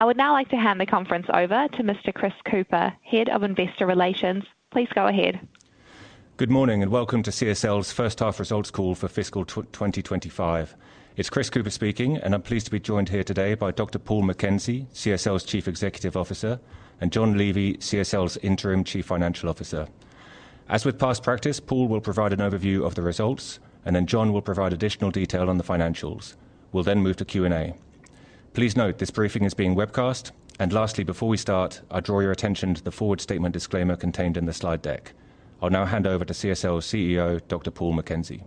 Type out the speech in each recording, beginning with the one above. I would now like to hand the conference over to Mr. Chris Cooper, Head of Investor Relations. Please go ahead. Good morning and welcome to CSL's first half results call for fiscal 2025. It's Chris Cooper speaking, and I'm pleased to be joined here today by Dr. Paul McKenzie, CSL's Chief Executive Officer, and John Levy, CSL's Interim Chief Financial Officer. As with past practice, Paul will provide an overview of the results, and then John will provide additional detail on the financials. We'll then move to Q&A. Please note this briefing is being webcast, and lastly, before we start, I draw your attention to the forward statement disclaimer contained in the slide deck. I'll now hand over to CSL's CEO, Dr. Paul McKenzie.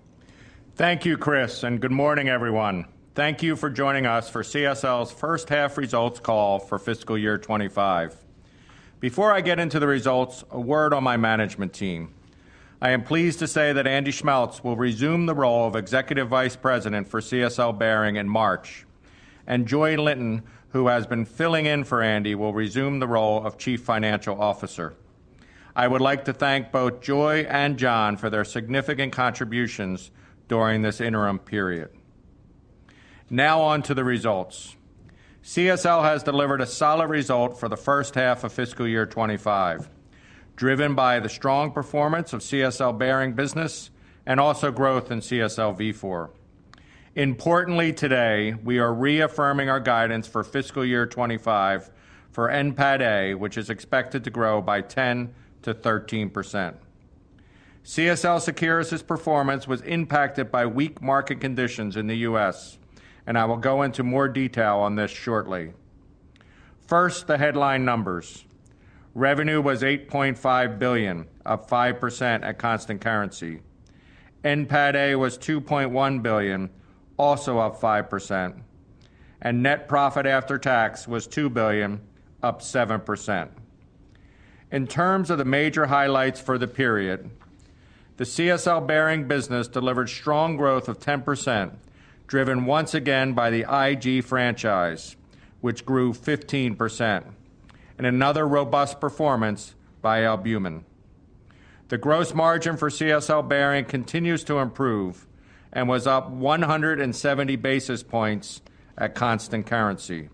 Thank you, Chris, and good morning, everyone. Thank you for joining us for CSL's first half results call for fiscal year 2025. Before I get into the results, a word on my management team. I am pleased to say that Andy Schmeltz will resume the role of Executive Vice President for CSL Behring in March, and Joy Linton, who has been filling in for Andy, will resume the role of Chief Financial Officer. I would like to thank both Joy and John for their significant contributions during this interim period. Now on to the results. CSL has delivered a solid result for the first half of fiscal year 2025, driven by the strong performance of CSL Behring business and also growth in CSL Vifor. Importantly today, we are reaffirming our guidance for fiscal year 2025 for NPATA, which is expected to grow by 10%-13%. CSL Seqirus' performance was impacted by weak market conditions in the U.S., and I will go into more detail on this shortly. First, the headline numbers. Revenue was $8.5 billion, up 5% at constant currency. NPATA was $2.1 billion, also up 5%. Net profit after tax was $2 billion, up 7%. In terms of the major highlights for the period, the CSL Behring business delivered strong growth of 10%, driven once again by the Ig franchise, which grew 15%, and another robust performance by albumin. The gross margin for CSL Behring continues to improve and was up 170 basis points at constant currency.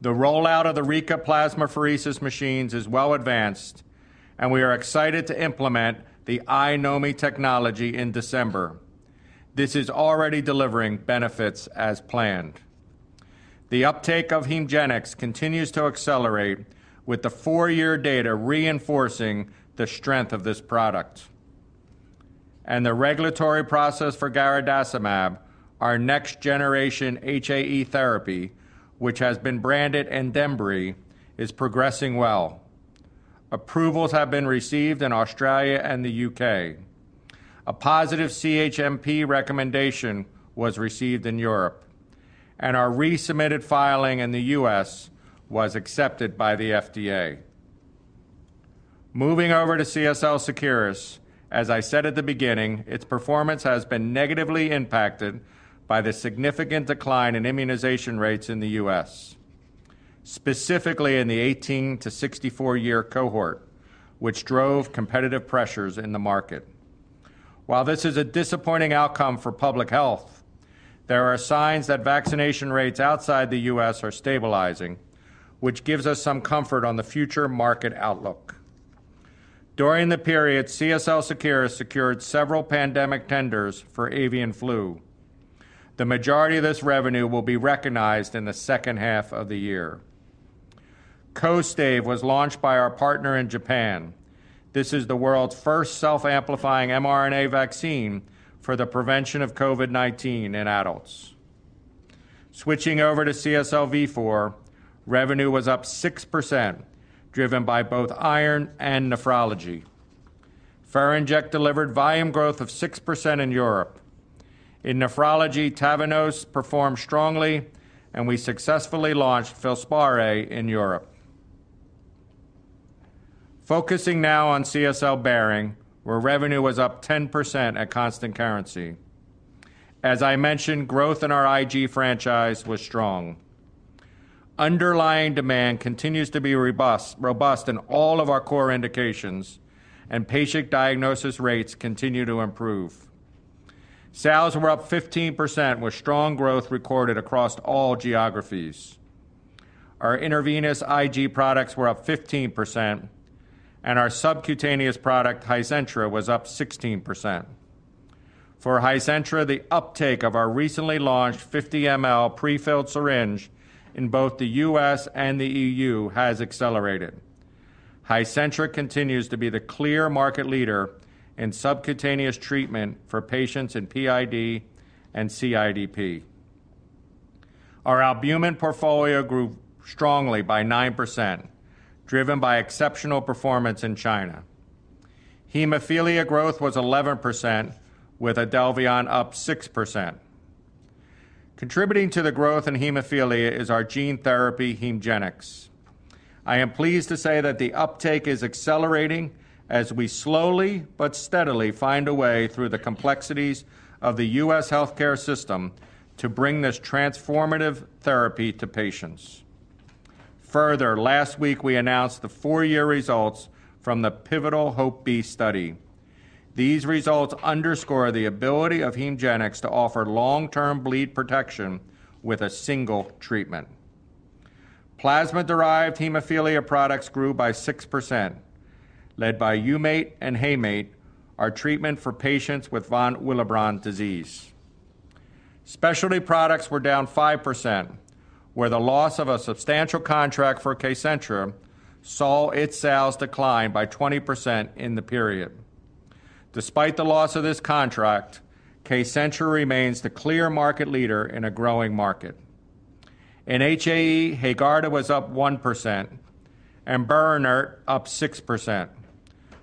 The rollout of the Rika plasmapheresis machines is well advanced, and we are excited to implement the iNomi technology in December. This is already delivering benefits as planned. The uptake of HEMGENIX continues to accelerate, with the four-year data reinforcing the strength of this product. The regulatory process for garadacimab, our next-generation HAE therapy, which has been branded ANDEMBRY, is progressing well. Approvals have been received in Australia and the U.K. A positive CHMP recommendation was received in Europe, and our resubmitted filing in the U.S. was accepted by the FDA. Moving over to CSL Seqirus, as I said at the beginning, its performance has been negatively impacted by the significant decline in immunization rates in the U.S., specifically in the 18 to 64-year cohort, which drove competitive pressures in the market. While this is a disappointing outcome for public health, there are signs that vaccination rates outside the U.S. are stabilizing, which gives us some comfort on the future market outlook. During the period, CSL Seqirus secured several pandemic tenders for avian flu. The majority of this revenue will be recognized in the second half of the year. KOSTAIVE was launched by our partner in Japan. This is the world's first self-amplifying mRNA vaccine for the prevention of COVID-19 in adults. Switching over to CSL Vifor, revenue was up 6%, driven by both iron and nephrology. Ferinject delivered volume growth of 6% in Europe. In nephrology, Tavneos performed strongly, and we successfully launched FILSPARI in Europe. Focusing now on CSL Behring, where revenue was up 10% at constant currency. As I mentioned, growth in our Ig franchise was strong. Underlying demand continues to be robust in all of our core indications, and patient diagnosis rates continue to improve. Sales were up 15%, with strong growth recorded across all geographies. Our intravenous Ig products were up 15%, and our subcutaneous product, Hizentra, was up 16%. For Hizentra, the uptake of our recently launched 50 mL prefilled syringe in both the U.S. and the EU has accelerated. Hizentra continues to be the clear market leader in subcutaneous treatment for patients in PID and CIDP. Our albumin portfolio grew strongly by 9%, driven by exceptional performance in China. Hemophilia growth was 11%, with IDELVION up 6%. Contributing to the growth in hemophilia is our gene therapy, HEMGENIX. I am pleased to say that the uptake is accelerating as we slowly but steadily find a way through the complexities of the U.S. healthcare system to bring this transformative therapy to patients. Further, last week we announced the four-year results from the pivotal HOPE-B study. These results underscore the ability of HEMGENIX to offer long-term bleed protection with a single treatment. Plasma-derived hemophilia products grew by 6%, led by Humate and Haemate, our treatment for patients with von Willebrand disease. Specialty products were down 5%, with the loss of a substantial contract for KCENTRA saw its sales decline by 20% in the period. Despite the loss of this contract, KCENTRA remains the clear market leader in a growing market. In HAE, HAEGARDA was up 1%, and BERINERT up 6%.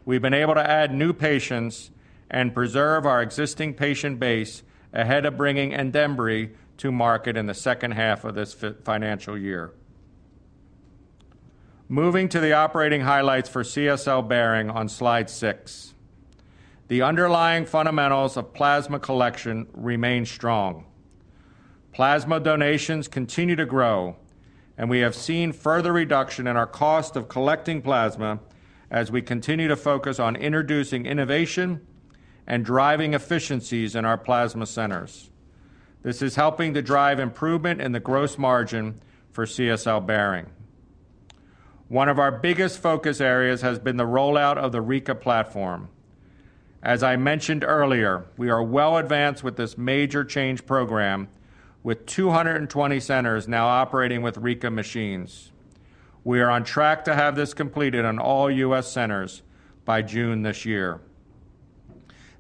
We've been able to add new patients and preserve our existing patient base ahead of bringing ANDEMBRY to market in the second half of this financial year. Moving to the operating highlights for CSL Behring on slide six. The underlying fundamentals of plasma collection remain strong. Plasma donations continue to grow, and we have seen further reduction in our cost of collecting plasma as we continue to focus on introducing innovation and driving efficiencies in our plasma centers. This is helping to drive improvement in the gross margin for CSL Behring. One of our biggest focus areas has been the rollout of the Rika platform. As I mentioned earlier, we are well advanced with this major change program, with 220 centers now operating with Rika machines. We are on track to have this completed in all U.S. centers by June this year.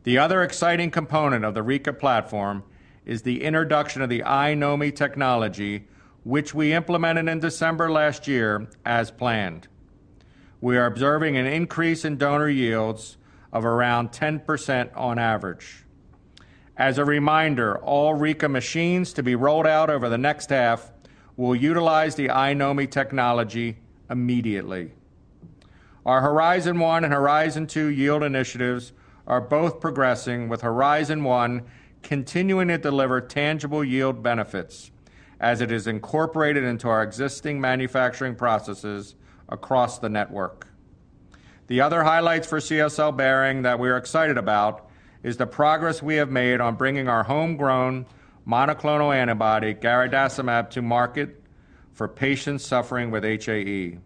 The other exciting component of the Rika platform is the introduction of the iNomi technology, which we implemented in December last year as planned. We are observing an increase in donor yields of around 10% on average. As a reminder, all Rika machines to be rolled out over the next half will utilize the iNomi technology immediately. Our Horizon 1 and Horizon 2 yield initiatives are both progressing, with Horizon 1 continuing to deliver tangible yield benefits as it is incorporated into our existing manufacturing processes across the network. The other highlights for CSL Behring that we are excited about is the progress we have made on bringing our homegrown monoclonal antibody, garadacimab, to market for patients suffering with HAE.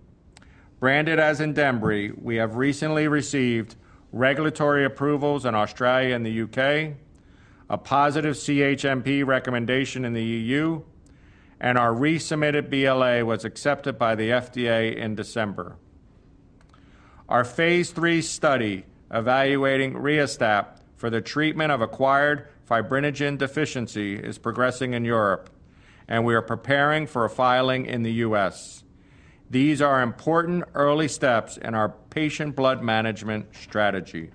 Branded as ANDEMBRY, we have recently received regulatory approvals in Australia and the U.K., a positive CHMP recommendation in the EU, and our resubmitted BLA was accepted by the FDA in December. Our phase III study evaluating RiaSTAP for the treatment of acquired fibrinogen deficiency is progressing in Europe, and we are preparing for a filing in the U.S. These are important early steps in our patient blood management strategy.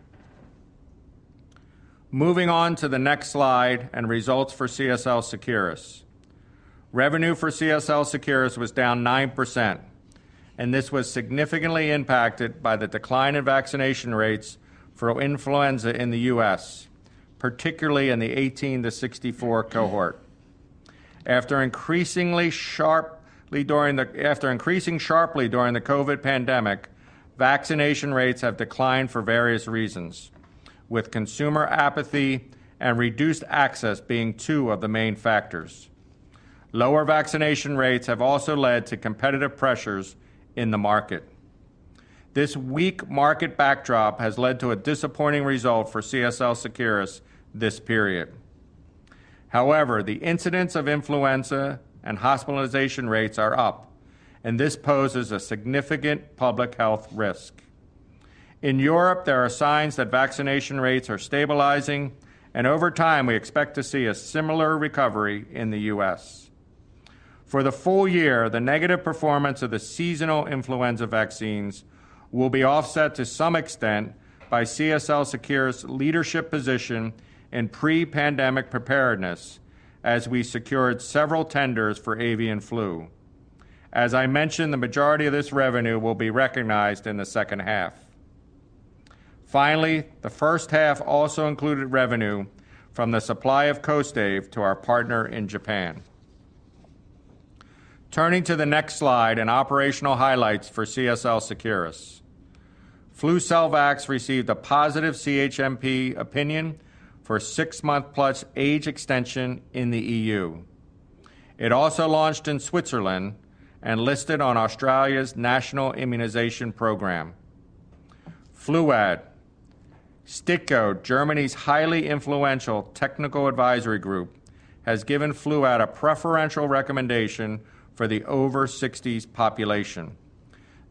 Moving on to the next slide and results for CSL Seqirus. Revenue for CSL Seqirus was down 9%, and this was significantly impacted by the decline in vaccination rates for influenza in the U.S., particularly in the 18-64 cohort. After increasing sharply during the COVID pandemic, vaccination rates have declined for various reasons, with consumer apathy and reduced access being two of the main factors. Lower vaccination rates have also led to competitive pressures in the market. This weak market backdrop has led to a disappointing result for CSL Seqirus this period. However, the incidence of influenza and hospitalization rates are up, and this poses a significant public health risk. In Europe, there are signs that vaccination rates are stabilizing, and over time, we expect to see a similar recovery in the U.S. For the full year, the negative performance of the seasonal influenza vaccines will be offset to some extent by CSL Seqirus' leadership position and pre-pandemic preparedness as we secured several tenders for avian flu. As I mentioned, the majority of this revenue will be recognized in the second half. Finally, the first half also included revenue from the supply of KOSTAIVE to our partner in Japan. Turning to the next slide and operational highlights for CSL Seqirus. Flucelvax received a positive CHMP opinion for six-month plus age extension in the EU. It also launched in Switzerland and listed on Australia's national immunization program. Fluad. STIKO, Germany's highly influential technical advisory group, has given Fluad a preferential recommendation for the over-60s population.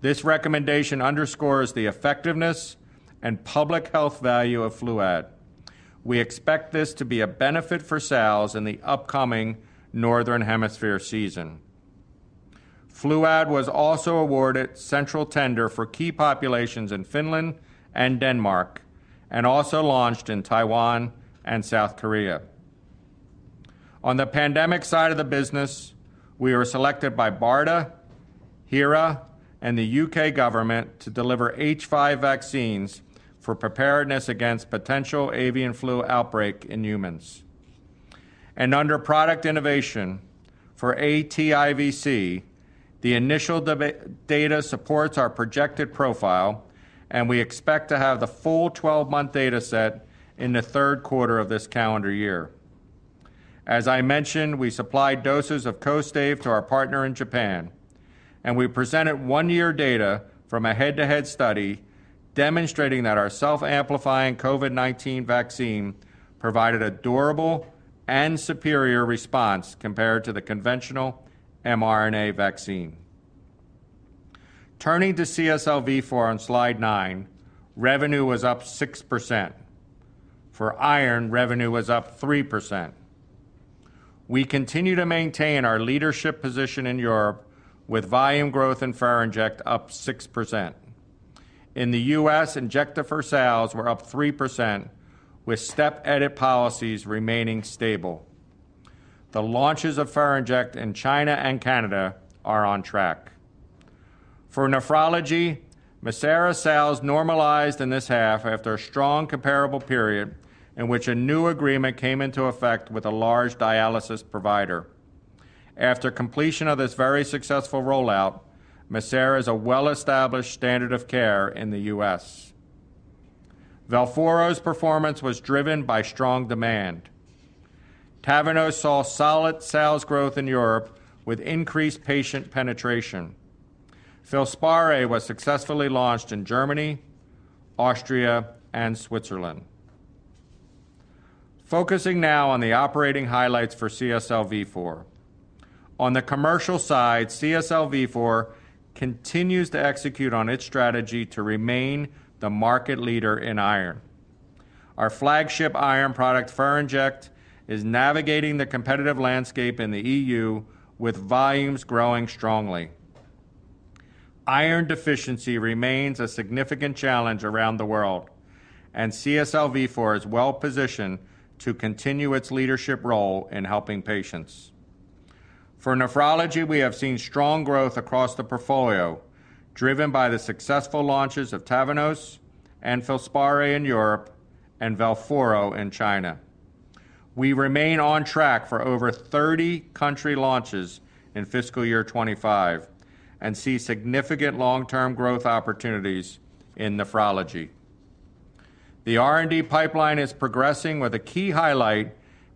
This recommendation underscores the effectiveness and public health value of Fluad. We expect this to be a benefit for sales in the upcoming northern hemisphere season. Fluad was also awarded central tender for key populations in Finland and Denmark, and also launched in Taiwan and South Korea. On the pandemic side of the business, we were selected by BARDA, HERA, and the U.K. Government to deliver H5 vaccines for preparedness against potential avian flu outbreak in humans. Under product innovation for aTIVc, the initial data supports our projected profile, and we expect to have the full 12-month data set in the third quarter of this calendar year. As I mentioned, we supplied doses of KOSTAIVE to our partner in Japan, and we presented one-year data from a head-to-head study demonstrating that our self-amplifying COVID-19 vaccine provided a durable and superior response compared to the conventional mRNA vaccine. Turning to CSL Vifor on slide nine, revenue was up 6%. For iron, revenue was up 3%. We continue to maintain our leadership position in Europe, with volume growth in Ferinject up 6%. In the U.S., Injectafer sales were up 3%, with step-edit policies remaining stable. The launches of Ferinject in China and Canada are on track. For nephrology, Mircera sales normalized in this half after a strong comparable period in which a new agreement came into effect with a large dialysis provider. After completion of this very successful rollout, Mircera is a well-established standard of care in the U.S. Vifor's performance was driven by strong demand. Tavneos saw solid sales growth in Europe with increased patient penetration. FILSPARI was successfully launched in Germany, Austria, and Switzerland. Focusing now on the operating highlights for CSL Vifor. On the commercial side, CSL Vifor continues to execute on its strategy to remain the market leader in iron. Our flagship iron product, Ferinject, is navigating the competitive landscape in the EU with volumes growing strongly. Iron deficiency remains a significant challenge around the world, and CSL Vifor is well-positioned to continue its leadership role in helping patients. For nephrology, we have seen strong growth across the portfolio, driven by the successful launches of Tavneos, FILSPARI in Europe, and Velphoro in China. We remain on track for over 30 country launches in fiscal year 2025 and see significant long-term growth opportunities in nephrology. The R&D pipeline is progressing, with a key highlight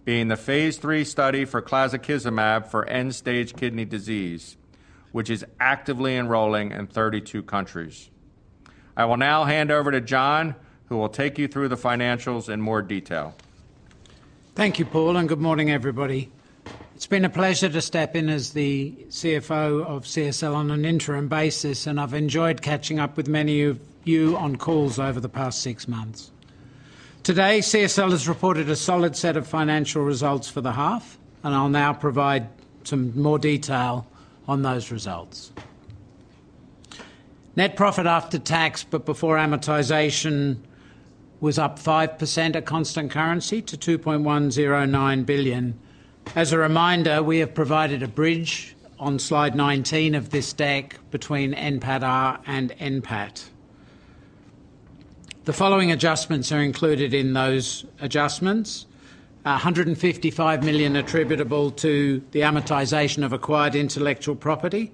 being the phase III study for clazakizumab for end-stage kidney disease, which is actively enrolling in 32 countries. I will now hand over to John, who will take you through the financials in more detail. Thank you, Paul, and good morning, everybody. It's been a pleasure to step in as the CFO of CSL on an interim basis, and I've enjoyed catching up with many of you on calls over the past six months. Today, CSL has reported a solid set of financial results for the half, and I'll now provide some more detail on those results. Net profit after tax, but before amortization, was up 5% at constant currency to $2.109 billion. As a reminder, we have provided a bridge on slide 19 of this deck between NPATA and NPAT. The following adjustments are included in those adjustments: $155 million attributable to the amortization of acquired intellectual property.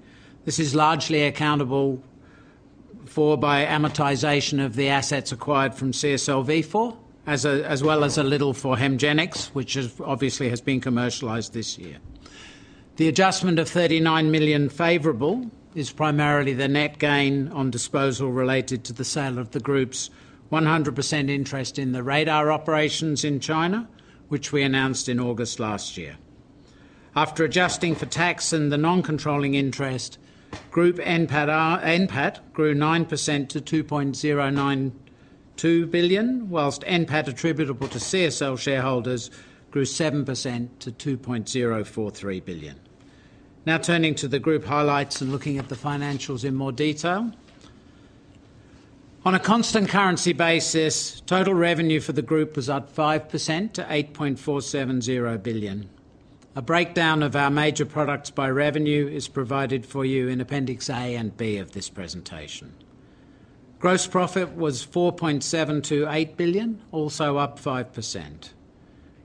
This is largely accountable for by amortization of the assets acquired from CSL Vifor, as well as a little for HEMGENIX, which obviously has been commercialized this year. The adjustment of $39 million favorable is primarily the net gain on disposal related to the sale of the group's 100% interest in the Ruide operations in China, which we announced in August last year. After adjusting for tax and the non-controlling interest, group NPAT grew 9% to $2.092 billion, while NPAT attributable to CSL shareholders grew 7% to $2.043 billion. Now turning to the group highlights and looking at the financials in more detail. On a constant currency basis, total revenue for the group was up 5% to $8.470 billion. A breakdown of our major products by revenue is provided for you in appendix A and B of this presentation. Gross profit was $4.728 billion, also up 5%.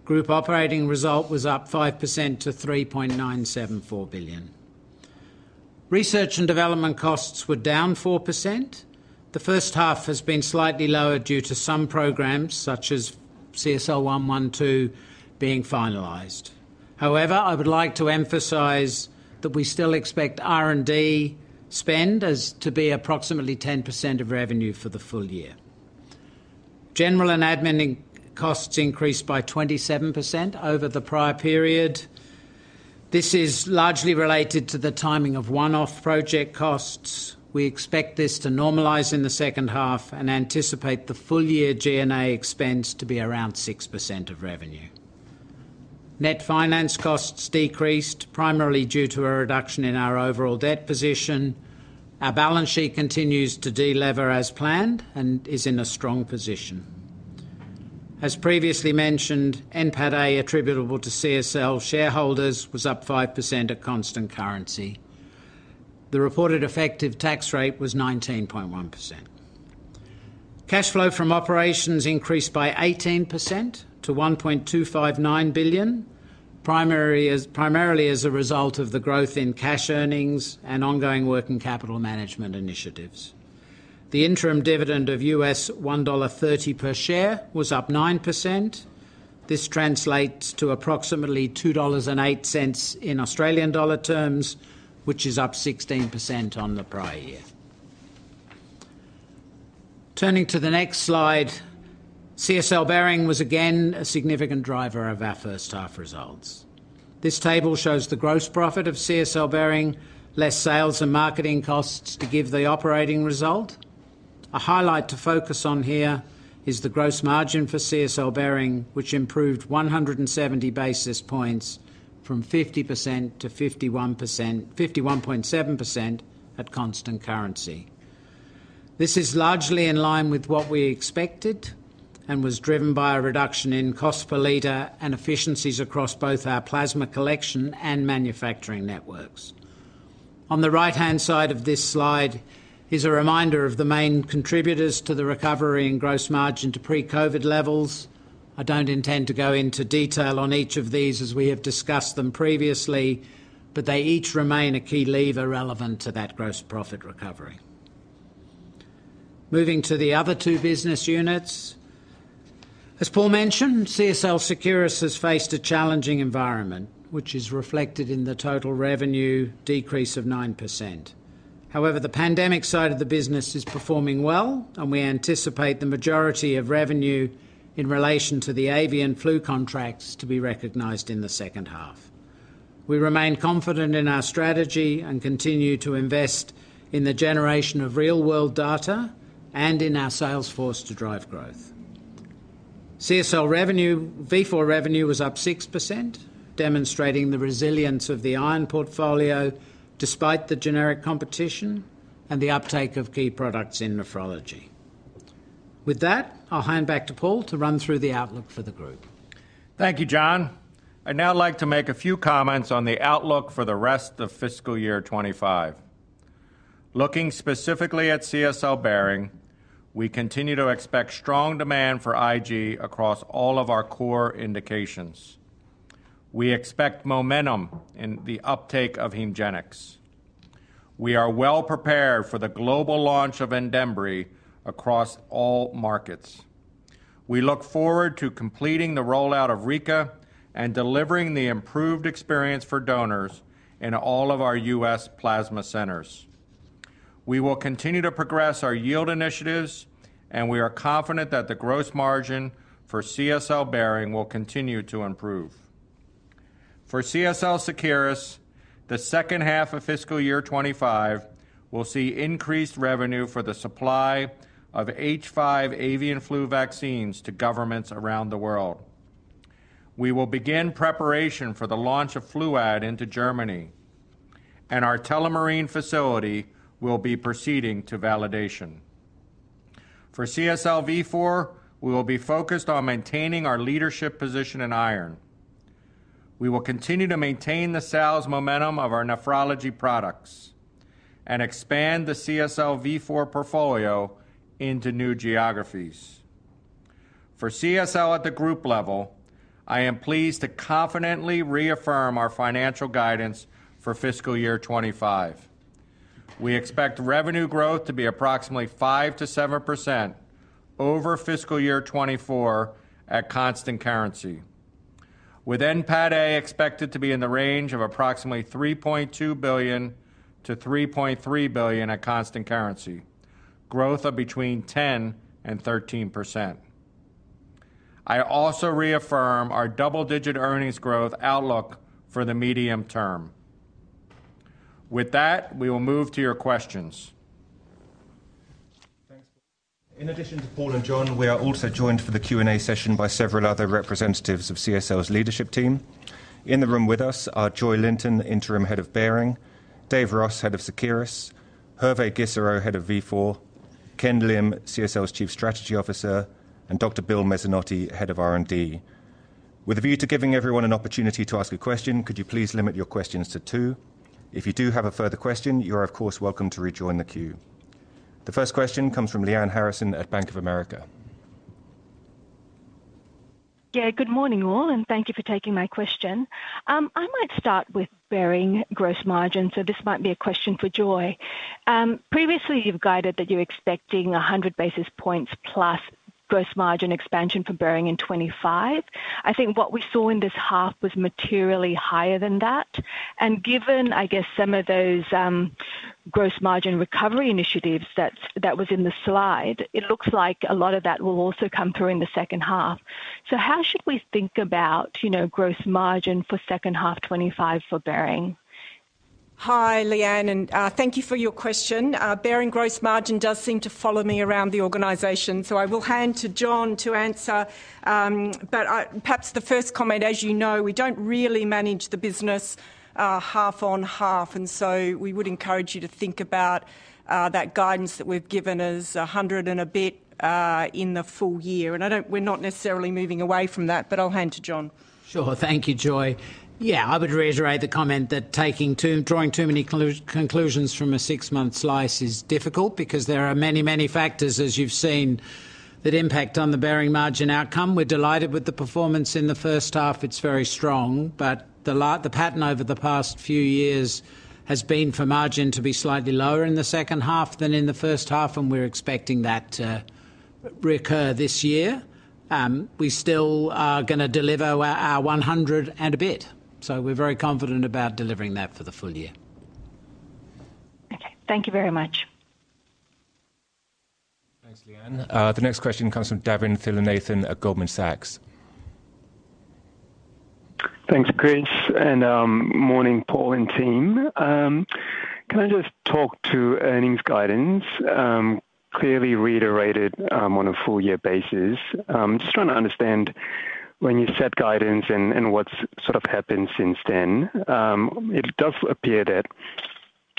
Group operating result was up 5% to $3.974 billion. Research and development costs were down 4%. The first half has been slightly lower due to some programs, such as CSL 112, being finalized. However, I would like to emphasize that we still expect R&D spend to be approximately 10% of revenue for the full year. General and admin costs increased by 27% over the prior period. This is largely related to the timing of one-off project costs. We expect this to normalize in the second half and anticipate the full year G&A expense to be around 6% of revenue. Net finance costs decreased primarily due to a reduction in our overall debt position. Our balance sheet continues to delever as planned and is in a strong position. As previously mentioned, NPATA attributable to CSL shareholders was up 5% at constant currency. The reported effective tax rate was 19.1%. Cash flow from operations increased by 18% to $1.259 billion, primarily as a result of the growth in cash earnings and ongoing working capital management initiatives. The interim dividend of $1.30 per share was up 9%. This translates to approximately 2.08 dollars in Australian dollar terms, which is up 16% on the prior year. Turning to the next slide, CSL Behring was again a significant driver of our first half results. This table shows the gross profit of CSL Behring, less sales and marketing costs to give the operating result. A highlight to focus on here is the gross margin for CSL Behring, which improved 170 basis points from 50% to 51.7% at constant currency. This is largely in line with what we expected and was driven by a reduction in cost per liter and efficiencies across both our plasma collection and manufacturing networks. On the right-hand side of this slide is a reminder of the main contributors to the recovery in gross margin to pre-COVID levels. I don't intend to go into detail on each of these as we have discussed them previously, but they each remain a key lever relevant to that gross profit recovery. Moving to the other two business units. As Paul mentioned, CSL Seqirus has faced a challenging environment, which is reflected in the total revenue decrease of 9%. However, the pandemic side of the business is performing well, and we anticipate the majority of revenue in relation to the avian flu contracts to be recognized in the second half. We remain confident in our strategy and continue to invest in the generation of real-world data and in our sales force to drive growth. CSL Vifor revenue was up 6%, demonstrating the resilience of the iron portfolio despite the generic competition and the uptake of key products in nephrology. With that, I'll hand back to Paul to run through the outlook for the group. Thank you, John. I'd now like to make a few comments on the outlook for the rest of fiscal year 2025. Looking specifically at CSL Behring, we continue to expect strong demand for Ig across all of our core indications. We expect momentum in the uptake of HEMGENIX. We are well-prepared for the global launch of ANDEMBRY across all markets. We look forward to completing the rollout of Rika and delivering the improved experience for donors in all of our U.S. plasma centers. We will continue to progress our yield initiatives, and we are confident that the gross margin for CSL Behring will continue to improve. For CSL Seqirus, the second half of fiscal year 2025 will see increased revenue for the supply of H5 avian flu vaccines to governments around the world. We will begin preparation for the launch of Fluad into Germany, and our Tullamarine facility will be proceeding to validation. For CSL Vifor, we will be focused on maintaining our leadership position in iron. We will continue to maintain the sales momentum of our nephrology products and expand the CSL Vifor portfolio into new geographies. For CSL at the group level, I am pleased to confidently reaffirm our financial guidance for fiscal year 2025. We expect revenue growth to be approximately 5%-7% over fiscal year 2024 at constant currency, with NPATA expected to be in the range of approximately $3.2 billion-$3.3 billion at constant currency, growth of between 10% and 13%. I also reaffirm our double-digit earnings growth outlook for the medium term. With that, we will move to your questions. Thanks. In addition to Paul and John, we are also joined for the Q&A session by several other representatives of CSL's leadership team. In the room with us are Joy Linton, Interim Head of Behring; Dave Ross, Head of Seqirus; Hervé Gisserot, Head of Vifor; Ken Lim, CSL's Chief Strategy Officer; and Dr. Bill Mezzanotte, Head of R&D. With a view to giving everyone an opportunity to ask a question, could you please limit your questions to two? If you do have a further question, you are, of course, welcome to rejoin the queue. The first question comes from Lyanne Harrison at Bank of America. Yeah, good morning, all, and thank you for taking my question. I might start with Behring gross margin, so this might be a question for Joy. Previously, you've guided that you're expecting 100 basis points plus gross margin expansion for Behring in 2025. I think what we saw in this half was materially higher than that. Given, I guess, some of those gross margin recovery initiatives that was in the slide, it looks like a lot of that will also come through in the second half. So how should we think about gross margin for second half 2025 for Behring? Hi, Lyanne, and thank you for your question. Behring gross margin does seem to follow me around the organization, so I will hand to John to answer. But perhaps the first comment, as you know, we don't really manage the business half on half, and so we would encourage you to think about that guidance that we've given as 100 and a bit in the full year, and we're not necessarily moving away from that, but I'll hand to John. Sure, thank you, Joy. Yeah, I would reiterate the comment that drawing too many conclusions from a six-month slice is difficult because there are many, many factors, as you've seen, that impact on the Behring margin outcome. We're delighted with the performance in the first half. It's very strong, but the pattern over the past few years has been for margin to be slightly lower in the second half than in the first half, and we're expecting that to recur this year. We still are going to deliver our 100 and a bit, so we're very confident about delivering that for the full year. Okay, thank you very much. Thanks, Lyanne. The next question comes from Davin Thillainathan at Goldman Sachs. Thanks, Chris, and morning, Paul and team. Can I just talk to earnings guidance? Clearly reiterated on a full-year basis. Just trying to understand when you set guidance and what's sort of happened since then. It does appear that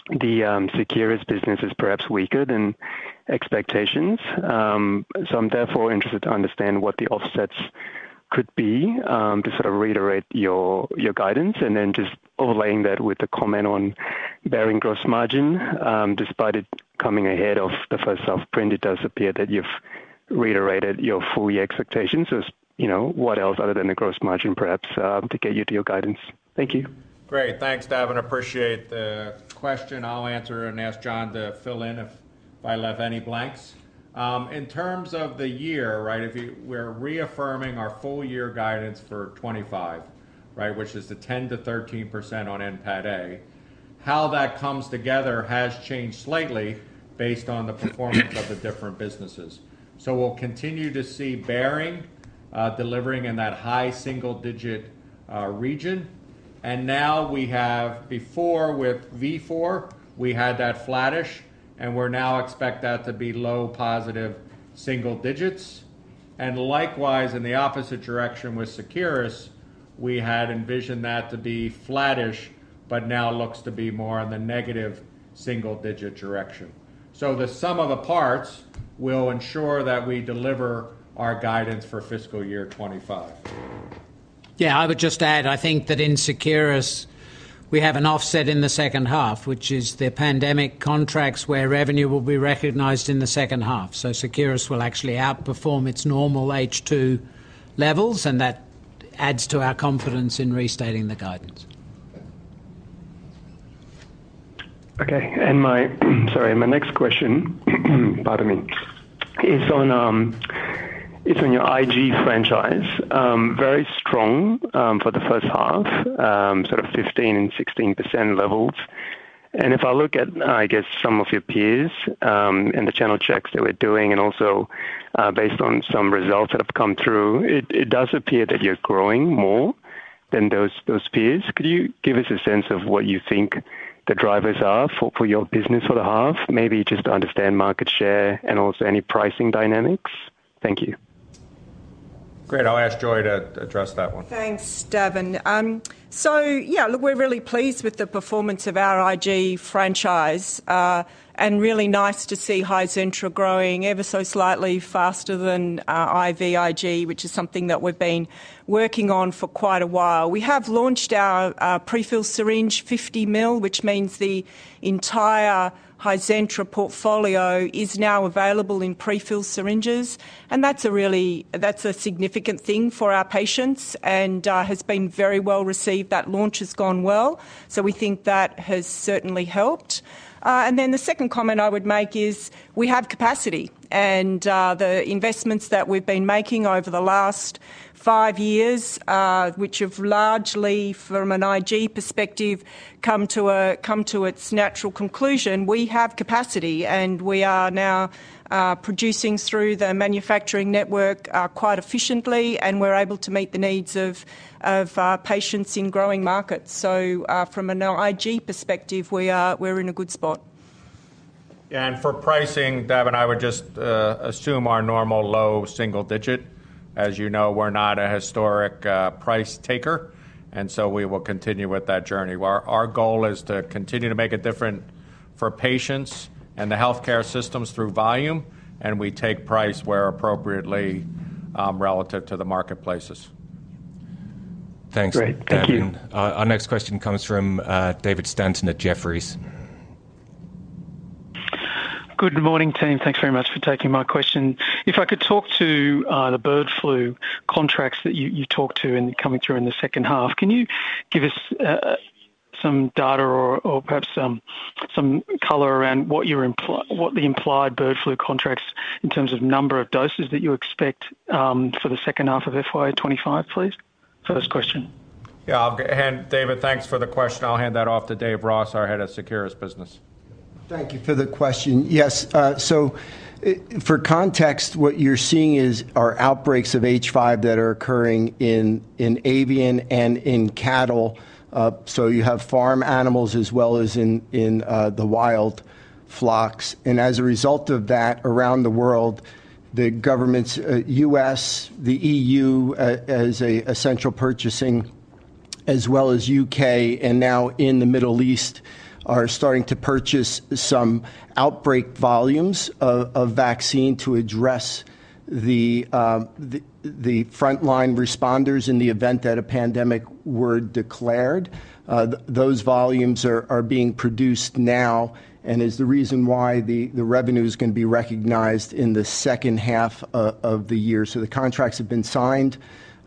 the Seqirus business is perhaps weaker than expectations, so I'm therefore interested to understand what the offsets could be to sort of reiterate your guidance. And then just overlaying that with the comment on Behring gross margin, despite it coming ahead of the first half print, it does appear that you've reiterated your full-year expectations. So what else, other than the gross margin, perhaps, to get you to your guidance? Thank you. Great, thanks, Davin. I appreciate the question. I'll answer and ask John to fill in if I left any blanks. In terms of the year, we're reaffirming our full-year guidance for 2025, which is the 10%-13% on NPATA. How that comes together has changed slightly based on the performance of the different businesses. So we'll continue to see Behring delivering in that high single-digit region. And now we have, before with Vifor, we had that flattish, and we're now expecting that to be low positive single digits. And likewise, in the opposite direction with Seqirus, we had envisioned that to be flattish, but now looks to be more in the negative single-digit direction. So the sum of the parts will ensure that we deliver our guidance for fiscal year 2025. Yeah, I would just add. I think that in Seqirus, we have an offset in the second half, which is the pandemic contracts where revenue will be recognized in the second half. So Seqirus will actually outperform its normal H2 levels, and that adds to our confidence in restating the guidance. Okay, and my next question, pardon me, is on your Ig franchise, very strong for the first half, sort of 15% and 16% levels. And if I look at, I guess, some of your peers and the channel checks that we're doing, and also based on some results that have come through, it does appear that you're growing more than those peers. Could you give us a sense of what you think the drivers are for your business for the half? Maybe just to understand market share and also any pricing dynamics. Thank you. Great, I'll ask Joy to address that one. Thanks, Davin. So yeah, look, we're really pleased with the performance of our Ig franchise and really nice to see Hizentra growing ever so slightly faster than IVIg, which is something that we've been working on for quite a while. We have launched our prefilled syringe 50 ml, which means the entire Hizentra portfolio is now available in prefilled syringes, and that's a significant thing for our patients and has been very well received. That launch has gone well, so we think that has certainly helped. Then the second comment I would make is we have capacity, and the investments that we've been making over the last five years, which have largely, from an Ig perspective, come to its natural conclusion, we have capacity, and we are now producing through the manufacturing network quite efficiently, and we're able to meet the needs of patients in growing markets. From an Ig perspective, we're in a good spot. For pricing, Davin, I would just assume our normal low single digit. As you know, we're not a historic price taker, and so we will continue with that journey. Our goal is to continue to make a difference for patients and the healthcare systems through volume, and we take price where appropriately relative to the marketplaces. Thanks. Great, thank you. Our next question comes from David Stanton at Jefferies. Good morning, team. Thanks very much for taking my question. If I could talk to the bird flu contracts that you talked to coming through in the second half, can you give us some data or perhaps some color around what the implied bird flu contracts in terms of number of doses that you expect for the second half of FY 2025, please? First question. Yeah, David, thanks for the question. I'll hand that off to Dave Ross, our head of Seqirus business. Thank you for the question. Yes, so for context, what you're seeing are outbreaks of H5 that are occurring in avian and in cattle. You have farm animals as well as in the wild flocks. And as a result of that, around the world, the governments, U.S., the EU as a central purchasing, as well as U.K., and now in the Middle East, are starting to purchase some outbreak volumes of vaccine to address the frontline responders in the event that a pandemic were declared. Those volumes are being produced now and is the reason why the revenue is going to be recognized in the second half of the year. The contracts have been signed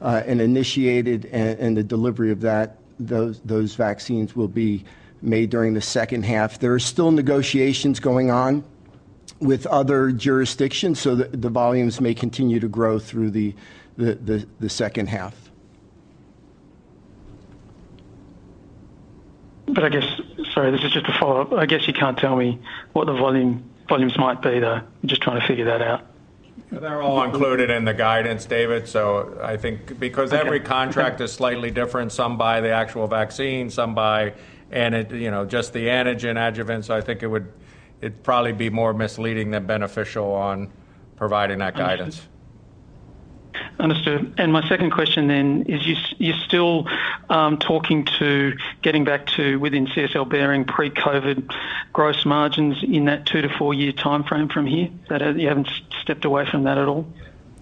and initiated, and the delivery of those vaccines will be made during the second half. There are still negotiations going on with other jurisdictions, so the volumes may continue to grow through the second half. But I guess, sorry, this is just a follow-up. I guess you can't tell me what the volumes might be, though. I'm just trying to figure that out. They're all included in the guidance, David, so I think because every contract is slightly different, some by the actual vaccine, some by just the antigen adjuvants, I think it would probably be more misleading than beneficial on providing that guidance. Understood, and my second question then is, you're still talking to, getting back to within CSL Behring pre-COVID gross margins in that two to four-year timeframe from here? You haven't stepped away from that at all?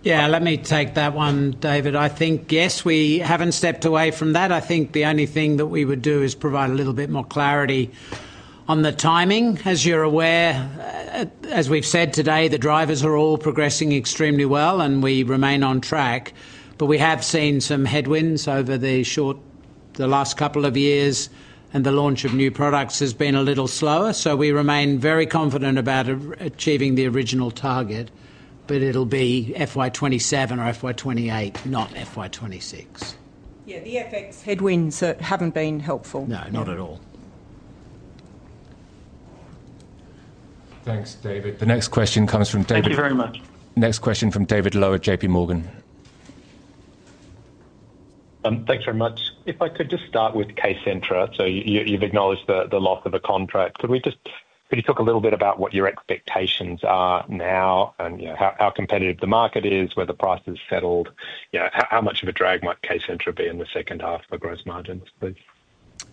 Yeah, let me take that one, David. I think, yes, we haven't stepped away from that. I think the only thing that we would do is provide a little bit more clarity on the timing. As you're aware, as we've said today, the drivers are all progressing extremely well, and we remain on track. But we have seen some headwinds over the last couple of years, and the launch of new products has been a little slower. So we remain very confident about achieving the original target, but it'll be FY 2027 or FY 2028, not FY 2026. Yeah, the FX headwinds haven't been helpful. No, not at all. Thanks, David. The next question comes from David. Thank you very much. Next question from David Low at JPMorgan. Thanks very much. If I could just start with KCENTRA. So you've acknowledged the loss of a contract. Could you talk a little bit about what your expectations are now and how competitive the market is, where the price is settled? How much of a drag might KCENTRA be in the second half for gross margins, please?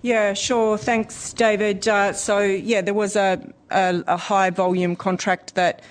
Yeah, sure. Thanks, David. So yeah, there was a high-volume contract that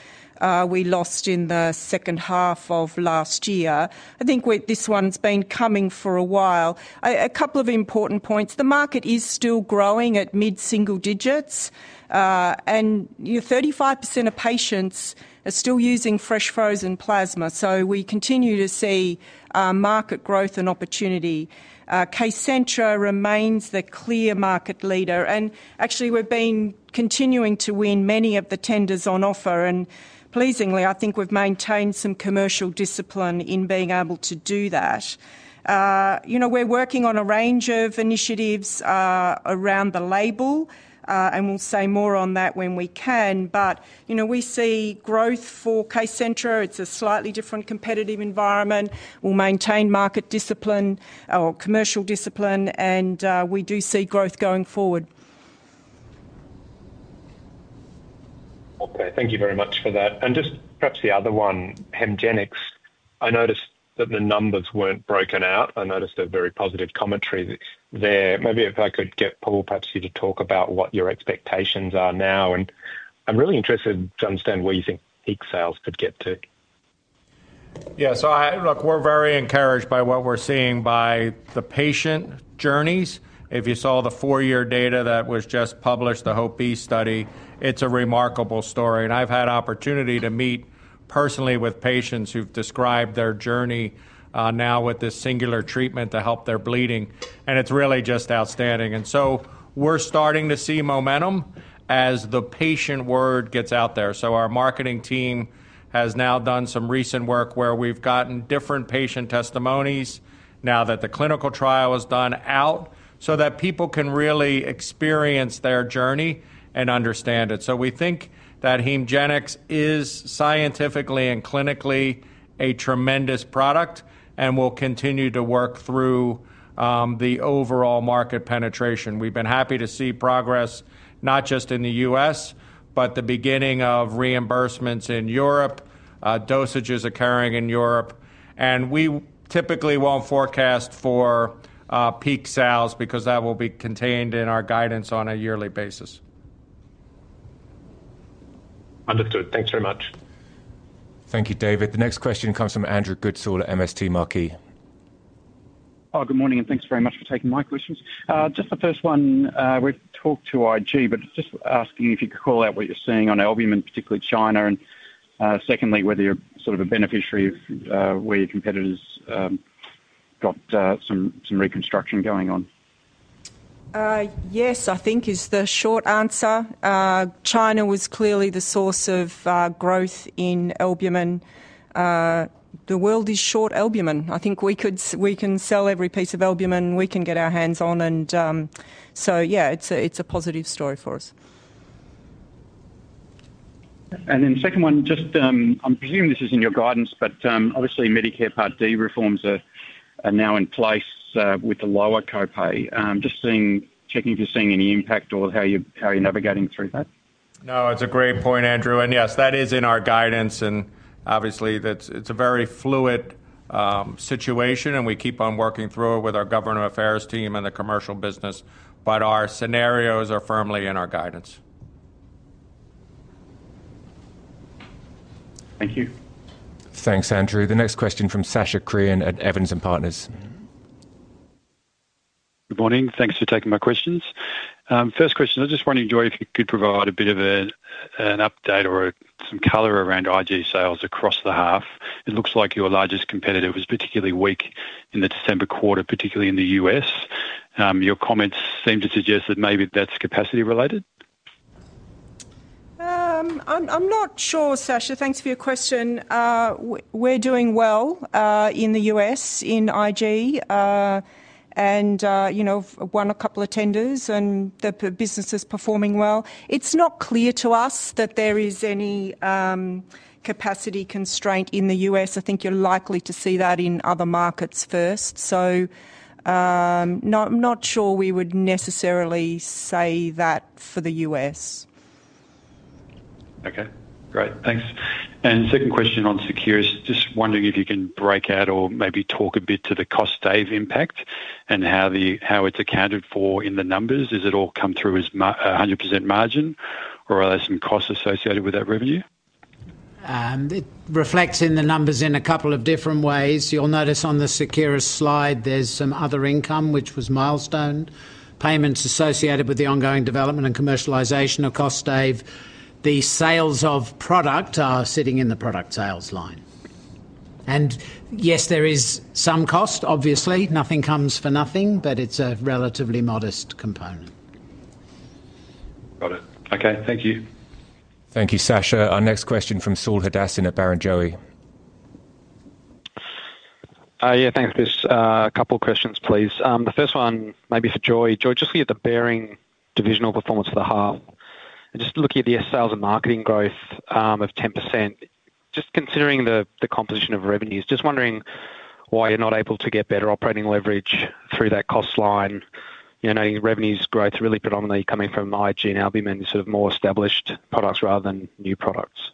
we lost in the second half of last year. I think this one's been coming for a while. A couple of important points. The market is still growing at mid-single digits, and 35% of patients are still using fresh frozen plasma. So we continue to see market growth and opportunity. KCENTRA remains the clear market leader. And actually, we've been continuing to win many of the tenders on offer. And pleasingly, I think we've maintained some commercial discipline in being able to do that. We're working on a range of initiatives around the label, and we'll say more on that when we can. But we see growth for KCENTRA. It's a slightly different competitive environment. We'll maintain market discipline or commercial discipline, and we do see growth going forward. Okay, thank you very much for that. And just perhaps the other one, HEMGENIX. I noticed that the numbers weren't broken out. I noticed a very positive commentary there. Maybe if I could get Paul possibly to talk about what your expectations are now, and I'm really interested to understand where you think peak sales could get to. Yeah, so we're very encouraged by what we're seeing by the patient journeys. If you saw the four-year data that was just published, the HOPE-B study, it's a remarkable story. And I've had the opportunity to meet personally with patients who've described their journey now with this singular treatment to help their bleeding. And it's really just outstanding. And so we're starting to see momentum as the patient word gets out there. So our marketing team has now done some recent work where we've gotten different patient testimonies now that the clinical trial is done out so that people can really experience their journey and understand it. So we think that HEMGENIX is scientifically and clinically a tremendous product and will continue to work through the overall market penetration. We've been happy to see progress not just in the U.S., but the beginning of reimbursements in Europe, dosages occurring in Europe. And we typically won't forecast for peak sales because that will be contained in our guidance on a yearly basis. Understood. Thanks very much. Thank you, David. The next question comes from Andrew Goodsall at MST Marquee. Hi, good morning, and thanks very much for taking my questions. Just the first one, we've talked to Ig, but just asking if you could call out what you're seeing on albumin, particularly China, and secondly, whether you're sort of a beneficiary of where your competitors got some reconstruction going on. Yes, I think is the short answer. China was clearly the source of growth in albumin. The world is short albumin. I think we can sell every piece of albumin we can get our hands on. And so yeah, it's a positive story for us. And then second one, just I'm presuming this is in your guidance, but obviously Medicare Part D reforms are now in place with the lower copay. Just checking if you're seeing any impact or how you're navigating through that. No, it's a great point, Andrew. And yes, that is in our guidance. And obviously, it's a very fluid situation, and we keep on working through it with our government affairs team and the commercial business. But our scenarios are firmly in our guidance. Thank you. Thanks, Andrew. The next question from Sacha Krien at Evans and Partners. Good morning. Thanks for taking my questions. First question, I just wanted to enquire if you could provide a bit of an update or some color around Ig sales across the half. It looks like your largest competitor was particularly weak in the December quarter, particularly in the U.S. Your comments seem to suggest that maybe that's capacity related. I'm not sure, Sacha. Thanks for your question. We're doing well in the U.S. in Ig and won a couple of tenders, and the business is performing well. It's not clear to us that there is any capacity constraint in the U.S. I think you're likely to see that in other markets first. So I'm not sure we would necessarily say that for the U.S. Okay, great. Thanks. Second question on Seqirus, just wondering if you can break out or maybe talk a bit to the cost savings impact and how it's accounted for in the numbers. Has it all come through as 100% margin, or are there some costs associated with that revenue? It reflects in the numbers in a couple of different ways. You'll notice on the Seqirus slide, there's some other income, which was milestone payments associated with the ongoing development and commercialization of KOSTAIVE. The sales of product are sitting in the product sales line. And yes, there is some cost, obviously. Nothing comes for nothing, but it's a relatively modest component. Got it. Okay, thank you. Thank you, Sacha. Our next question from Saul Hadassin at Barrenjoey. Yeah, thanks, Chris. A couple of questions, please. The first one maybe for Joy. Joy, just looking at the Behring divisional performance for the half and just looking at the sales and marketing growth of 10%. Just considering the composition of revenues, just wondering why you're not able to get better operating leverage through that cost line, knowing revenues growth really predominantly coming from Ig and albumin, sort of more established products rather than new products.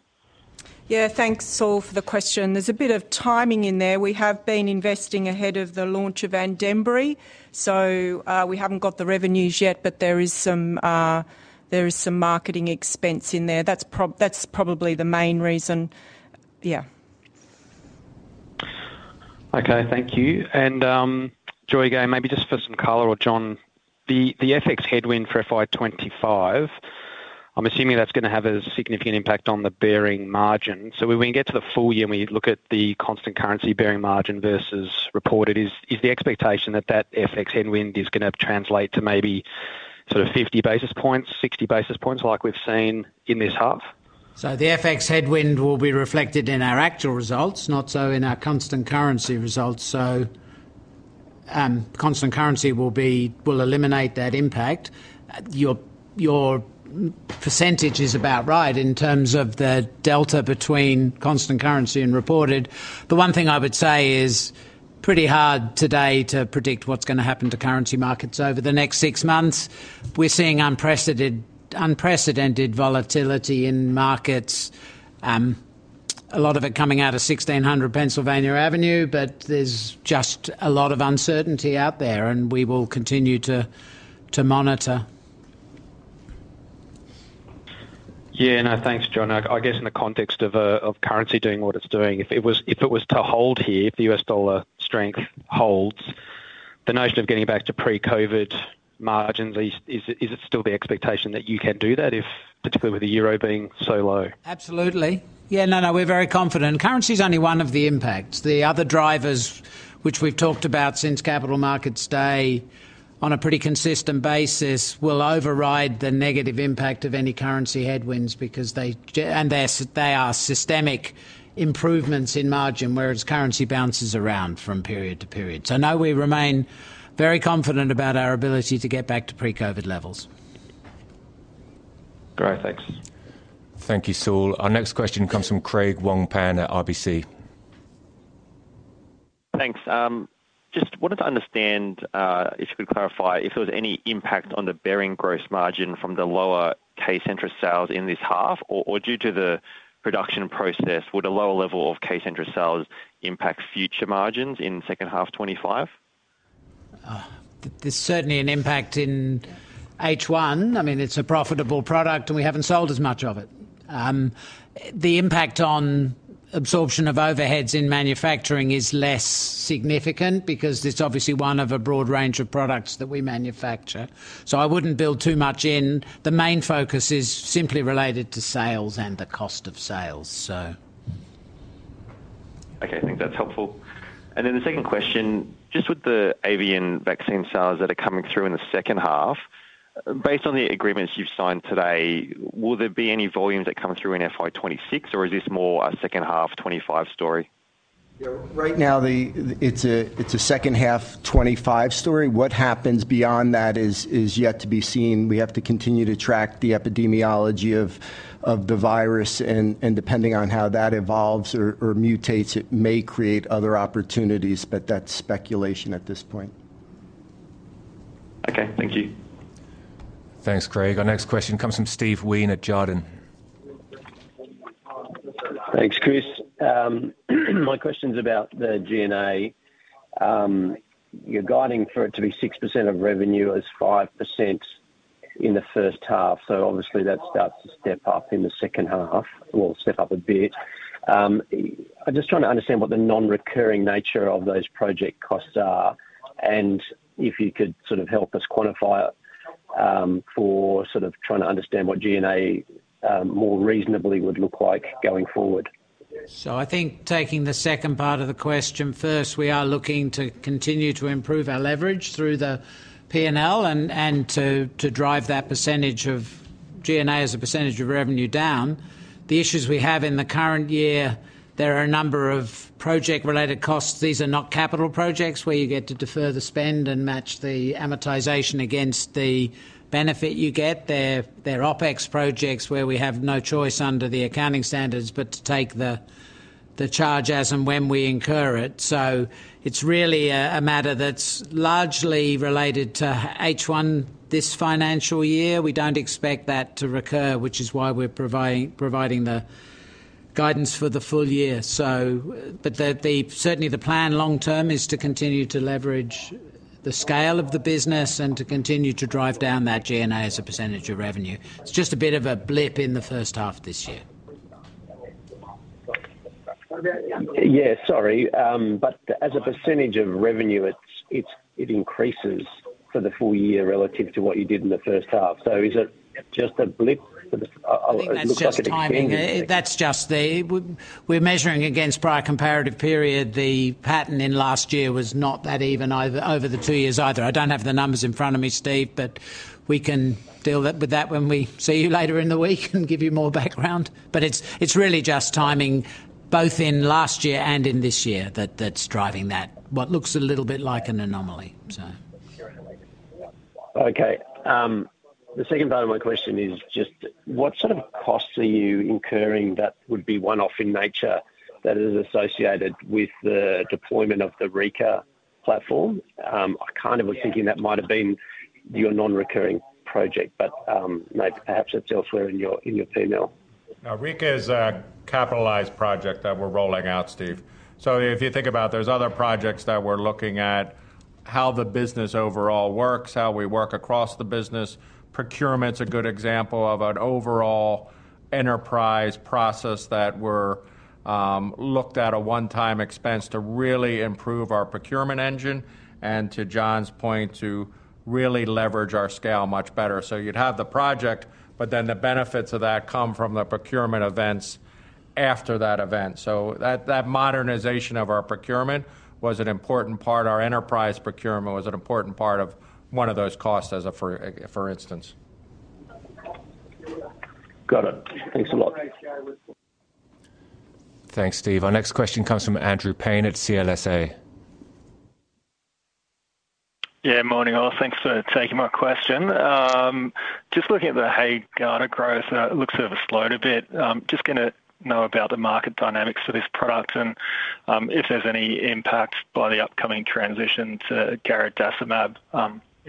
Yeah, thanks, Saul, for the question. There's a bit of timing in there. We have been investing ahead of the launch of ANDEMBRY. So we haven't got the revenues yet, but there is some marketing expense in there. That's probably the main reason. Yeah. Okay, thank you. And Joy, again, maybe just for some color or John, the FX headwind for FY 2025, I'm assuming that's going to have a significant impact on the Behring margin. So when we get to the full year and we look at the constant currency gross margin versus reported, is the expectation that that FX headwind is going to translate to maybe sort of 50 basis points, 60 basis points like we've seen in this half? So the FX headwind will be reflected in our actual results, not so in our constant currency results. So constant currency will eliminate that impact. Your percentage is about right in terms of the delta between constant currency and reported. The one thing I would say is pretty hard today to predict what's going to happen to currency markets over the next six months. We're seeing unprecedented volatility in markets, a lot of it coming out of 1600 Pennsylvania Avenue, but there's just a lot of uncertainty out there, and we will continue to monitor. Yeah, no, thanks, John. I guess in the context of currency doing what it's doing, if it was to hold here, if the U.S. dollar strength holds, the notion of getting back to pre-COVID margins, is it still the expectation that you can do that, particularly with the euro being so low? Absolutely. Yeah, no, no, we're very confident. Currency is only one of the impacts. The other drivers, which we've talked about since Capital Markets Day on a pretty consistent basis, will override the negative impact of any currency headwinds because they are systemic improvements in margin, whereas currency bounces around from period to period. So no, we remain very confident about our ability to get back to pre-COVID levels. Great, thanks. Thank you, Saul. Our next question comes from Craig Wong-Pan at RBC. Thanks. Just wanted to understand if you could clarify if there was any impact on the Behring gross margin from the lower KCENTRA sales in this half or due to the production process. Would a lower level of KCENTRA sales impact future margins in second half 2025? There's certainly an impact in H1. I mean, it's a profitable product, and we haven't sold as much of it. The impact on absorption of overheads in manufacturing is less significant because it's obviously one of a broad range of products that we manufacture. So I wouldn't build too much in. The main focus is simply related to sales and the cost of sales, so. Okay, I think that's helpful. And then the second question, just with the avian vaccine sales that are coming through in the second half, based on the agreements you've signed today, will there be any volumes that come through in FY 2026, or is this more a second half 2025 story? Yeah, right now it's a second half 2025 story. What happens beyond that is yet to be seen. We have to continue to track the epidemiology of the virus, and depending on how that evolves or mutates, it may create other opportunities, but that's speculation at this point. Okay, thank you. Thanks, Craig. Our next question comes from Steve Wheen at Jarden. Thanks, Chris. My question is about the G&A. You're guiding for it to be 6% of revenue as 5% in the first half. So obviously, that starts to step up in the second half, or step up a bit. I'm just trying to understand what the non-recurring nature of those project costs are, and if you could sort of help us quantify it for sort of trying to understand what G&A more reasonably would look like going forward. So I think taking the second part of the question first, we are looking to continue to improve our leverage through the P&L and to drive that percentage of G&A as a percentage of revenue down. The issues we have in the current year, there are a number of project-related costs. These are not capital projects where you get to defer the spend and match the amortization against the benefit you get. They're OpEx projects where we have no choice under the accounting standards but to take the charge as and when we incur it. So it's really a matter that's largely related to H1 this financial year. We don't expect that to recur, which is why we're providing the guidance for the full year. But certainly, the plan long-term is to continue to leverage the scale of the business and to continue to drive down that G&A as a percentage of revenue. It's just a bit of a blip in the first half of this year. Yeah, sorry, but as a percentage of revenue, it increases for the full year relative to what you did in the first half. So is it just a blip? It looks like it's changing. That's just that we're measuring against prior comparative period. The pattern in last year was not that even over the two years either. I don't have the numbers in front of me, Steve, but we can deal with that when we see you later in the week and give you more background. But it's really just timing both in last year and in this year that's driving that, what looks a little bit like an anomaly, so. Okay. The second part of my question is just what sort of costs are you incurring that would be one-off in nature that is associated with the deployment of the Rika platform? I kind of was thinking that might have been your non-recurring project, but maybe perhaps it's elsewhere in your P&L. Rika is a capitalized project that we're rolling out, Steve. So if you think about it, there's other projects that we're looking at, how the business overall works, how we work across the business. Procurement's a good example of an overall enterprise process that we're looking at a one-time expense to really improve our procurement engine and, to John's point, to really leverage our scale much better. So you'd have the project, but then the benefits of that come from the procurement events after that event. So that modernization of our procurement was an important part. Our enterprise procurement was an important part of one of those costs, for instance. Got it. Thanks a lot. Thanks, Steve. Our next question comes from Andrew Paine at CLSA. Yeah, morning all. Thanks for taking my question. Just looking at the HAEGARDA growth, it looks sort of slowed a bit. Just wanted to know about the market dynamics for this product and if there's any impact by the upcoming transition to garadacimab.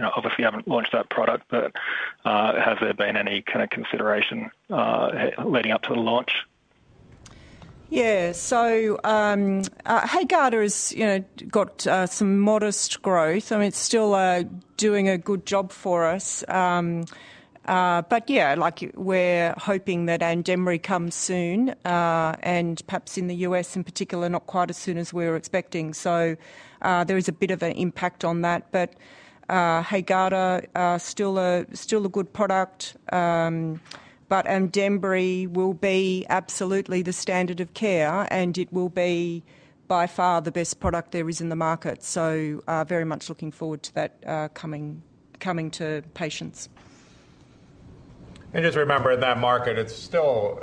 Obviously, you haven't launched that product, but has there been any kind of consideration leading up to the launch? Yeah, so HAEGARDA has got some modest growth. I mean, it's still doing a good job for us. Yeah, we're hoping that ANDEMBRY comes soon and perhaps in the U.S. in particular, not quite as soon as we were expecting. So there is a bit of an impact on that. HAEGARDA is still a good product, but ANDEMBRY will be absolutely the standard of care, and it will be by far the best product there is in the market. So very much looking forward to that coming to patients. Just remember that market; it's still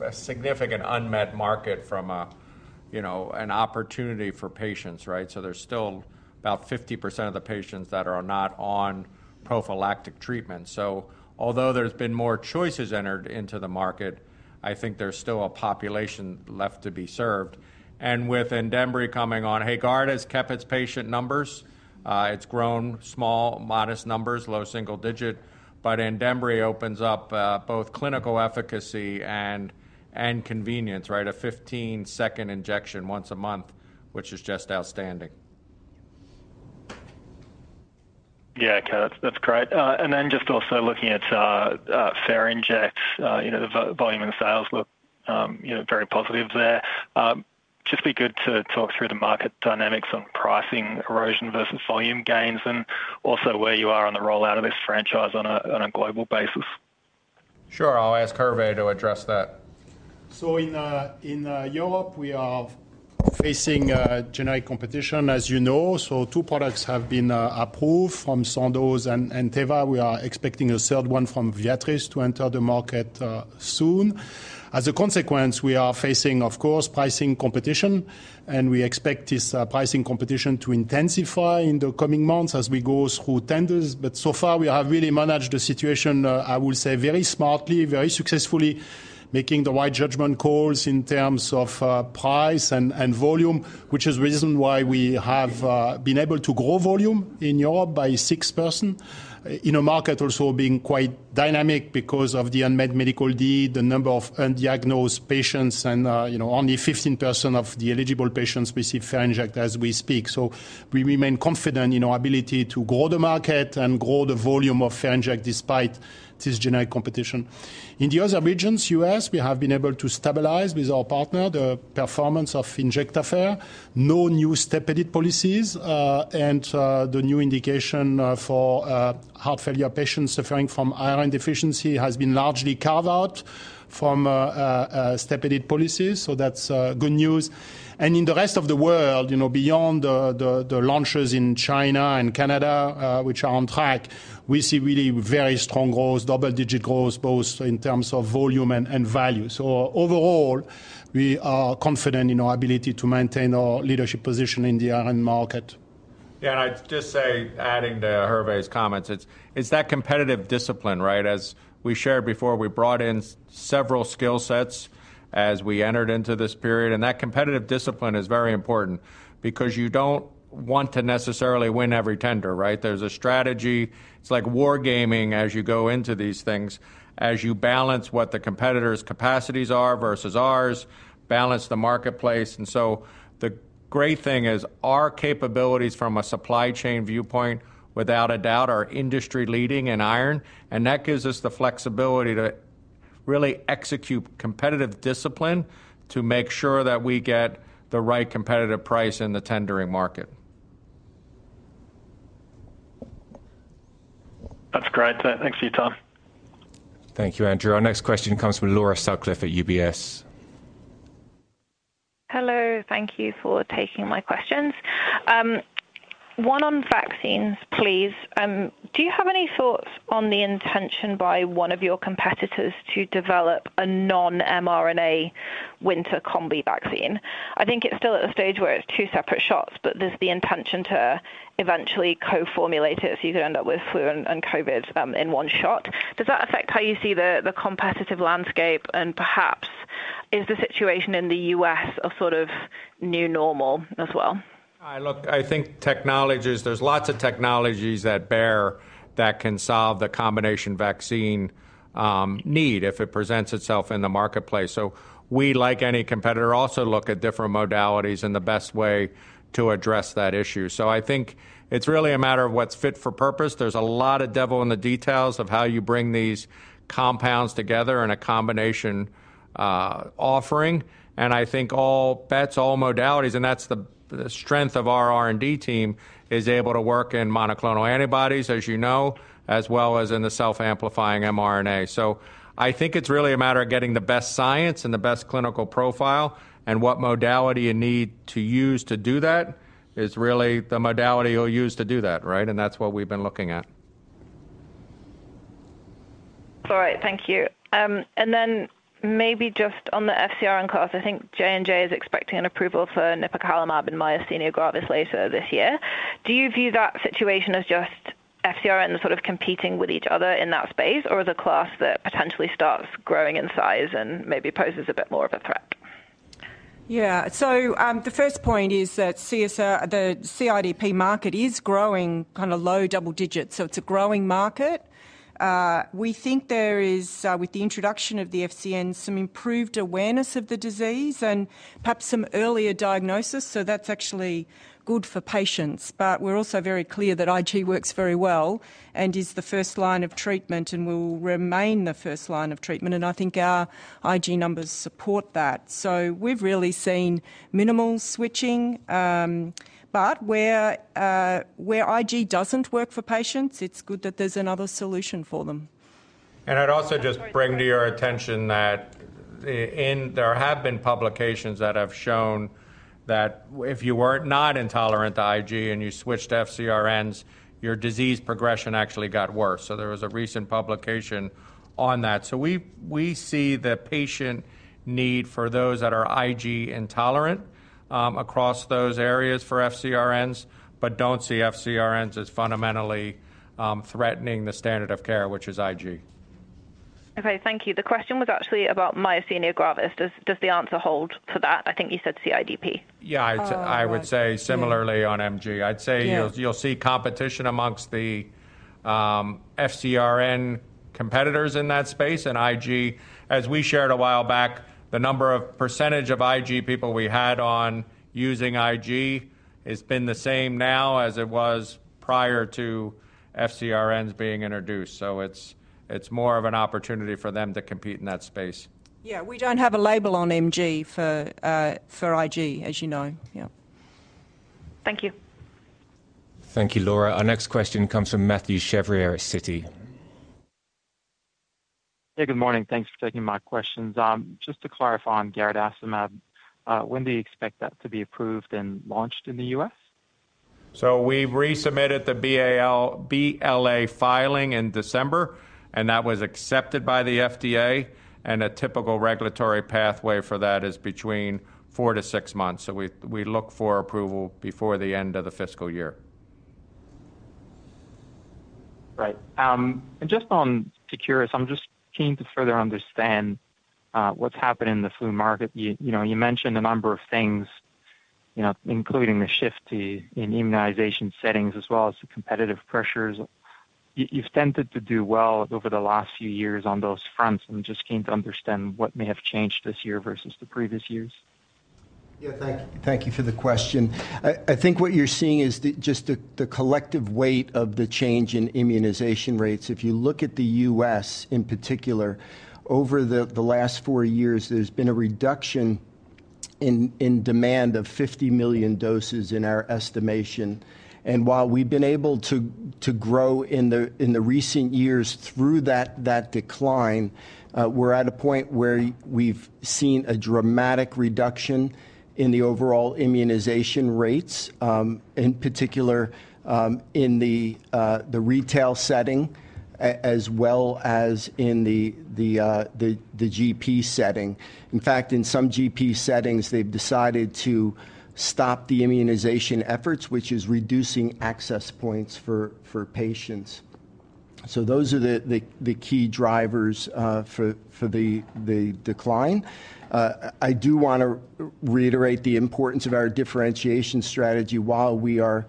a significant unmet market from an opportunity for patients, right? So there's still about 50% of the patients that are not on prophylactic treatment. So although there's been more choices entered into the market, I think there's still a population left to be served. And with ANDEMBRY coming on, HAEGARDA has kept its patient numbers. It's grown small, modest numbers, low single digit, but ANDEMBRY opens up both clinical efficacy and convenience, right? A 15-second injection once a month, which is just outstanding. Yeah, okay, that's great. And then just also looking at Ferinject, the volume and sales look very positive there. Just be good to talk through the market dynamics on pricing erosion versus volume gains and also where you are on the rollout of this franchise on a global basis. Sure, I'll ask Hervé to address that. So in Europe, we are facing generic competition, as you know. So two products have been approved from Sandoz and Teva. We are expecting a third one from Viatris to enter the market soon. As a consequence, we are facing, of course, pricing competition, and we expect this pricing competition to intensify in the coming months as we go through tenders. But so far, we have really managed the situation, I will say, very smartly, very successfully, making the right judgment calls in terms of price and volume, which is the reason why we have been able to grow volume in Europe by 6% in a market also being quite dynamic because of the unmet medical need, the number of undiagnosed patients, and only 15% of the eligible patients receive Ferinject as we speak. So we remain confident in our ability to grow the market and grow the volume of Ferinject despite this generic competition. In the other regions, U.S., we have been able to stabilize with our partner the performance of Injectafer. No new step-edit policies, and the new indication for heart failure patients suffering from iron deficiency has been largely carved out from step-edit policies. So that's good news. In the rest of the world, beyond the launches in China and Canada, which are on track, we see really very strong growth, double-digit growth, both in terms of volume and value. So overall, we are confident in our ability to maintain our leadership position in the iron market. Yeah, and I'd just say, adding to Hervé's comments, it's that competitive discipline, right? As we shared before, we brought in several skill sets as we entered into this period. And that competitive discipline is very important because you don't want to necessarily win every tender, right? There's a strategy. It's like war gaming as you go into these things, as you balance what the competitors' capacities are versus ours, balance the marketplace. And so the great thing is our capabilities from a supply chain viewpoint, without a doubt, are industry-leading in iron. And that gives us the flexibility to really execute competitive discipline to make sure that we get the right competitive price in the tendering market. That's great. Thanks for your time. Thank you, Andrew. Our next question comes from Laura Sutcliffe at UBS. Hello, thank you for taking my questions. One on vaccines, please. Do you have any thoughts on the intention by one of your competitors to develop a non-mRNA winter combi vaccine? I think it's still at the stage where it's two separate shots, but there's the intention to eventually co-formulate it so you could end up with flu and COVID in one shot. Does that affect how you see the competitive landscape? And perhaps is the situation in the U.S. a sort of new normal as well? Look, I think technologies, there's lots of technologies out there that can solve the combination vaccine need if it presents itself in the marketplace. So we, like any competitor, also look at different modalities and the best way to address that issue. So I think it's really a matter of what's fit for purpose. There's a lot of devil in the details of how you bring these compounds together in a combination offering. And I think all bets, all modalities, and that's the strength of our R&D team, is able to work in monoclonal antibodies, as you know, as well as in the self-amplifying mRNA. So I think it's really a matter of getting the best science and the best clinical profile, and what modality you need to use to do that is really the modality you'll use to do that, right? And that's what we've been looking at. All right, thank you. And then maybe just on the FcRn class, I think J&J is expecting an approval for nipocalimab and myasthenia gravis later this year. Do you view that situation as just FcRn sort of competing with each other in that space, or is a class that potentially starts growing in size and maybe poses a bit more of a threat? Yeah, so the first point is that the CIDP market is growing kind of low double digits. So it's a growing market. We think there is, with the introduction of the FcRn, some improved awareness of the disease and perhaps some earlier diagnosis. So that's actually good for patients. But we're also very clear that Ig works very well and is the first line of treatment and will remain the first line of treatment. And I think our Ig numbers support that. So we've really seen minimal switching. But where Ig doesn't work for patients, it's good that there's another solution for them. And I'd also just bring to your attention that there have been publications that have shown that if you were not intolerant to Ig and you switched to FcRns, your disease progression actually got worse. So there was a recent publication on that. So we see the patient need for those that are Ig intolerant across those areas for FcRns, but don't see FcRns as fundamentally threatening the standard of care, which is Ig. Okay, thank you. The question was actually about myasthenia gravis. Does the answer hold for that? I think you said CIDP. Yeah, I would say similarly on MG. I'd say you'll see competition amongst the FcRn competitors in that space. And Ig, as we shared a while back, the number of percentage of Ig people we had on using Ig has been the same now as it was prior to FcRns being introduced. So it's more of an opportunity for them to compete in that space. Yeah, we don't have a label on MG for Ig, as you know. Yeah. Thank you. Thank you, Laura. Our next question comes from Mathieu Chevrier at Citi. Hey, good morning. Thanks for taking my questions. Just to clarify on garadacimab, when do you expect that to be approved and launched in the U.S.? So we resubmitted the BLA filing in December, and that was accepted by the FDA. And a typical regulatory pathway for that is between four to six months. So we look for approval before the end of the fiscal year. Right. Just to be curious, I'm just keen to further understand what's happened in the flu market. You mentioned a number of things, including the shift in immunization settings as well as the competitive pressures. You've tended to do well over the last few years on those fronts. I'm just keen to understand what may have changed this year versus the previous years. Yeah, thank you for the question. I think what you're seeing is just the collective weight of the change in immunization rates. If you look at the U.S. in particular, over the last four years, there's been a reduction in demand of 50 million doses in our estimation. While we've been able to grow in the recent years through that decline, we're at a point where we've seen a dramatic reduction in the overall immunization rates, in particular in the retail setting as well as in the GP setting. In fact, in some GP settings, they've decided to stop the immunization efforts, which is reducing access points for patients. So those are the key drivers for the decline. I do want to reiterate the importance of our differentiation strategy. While we are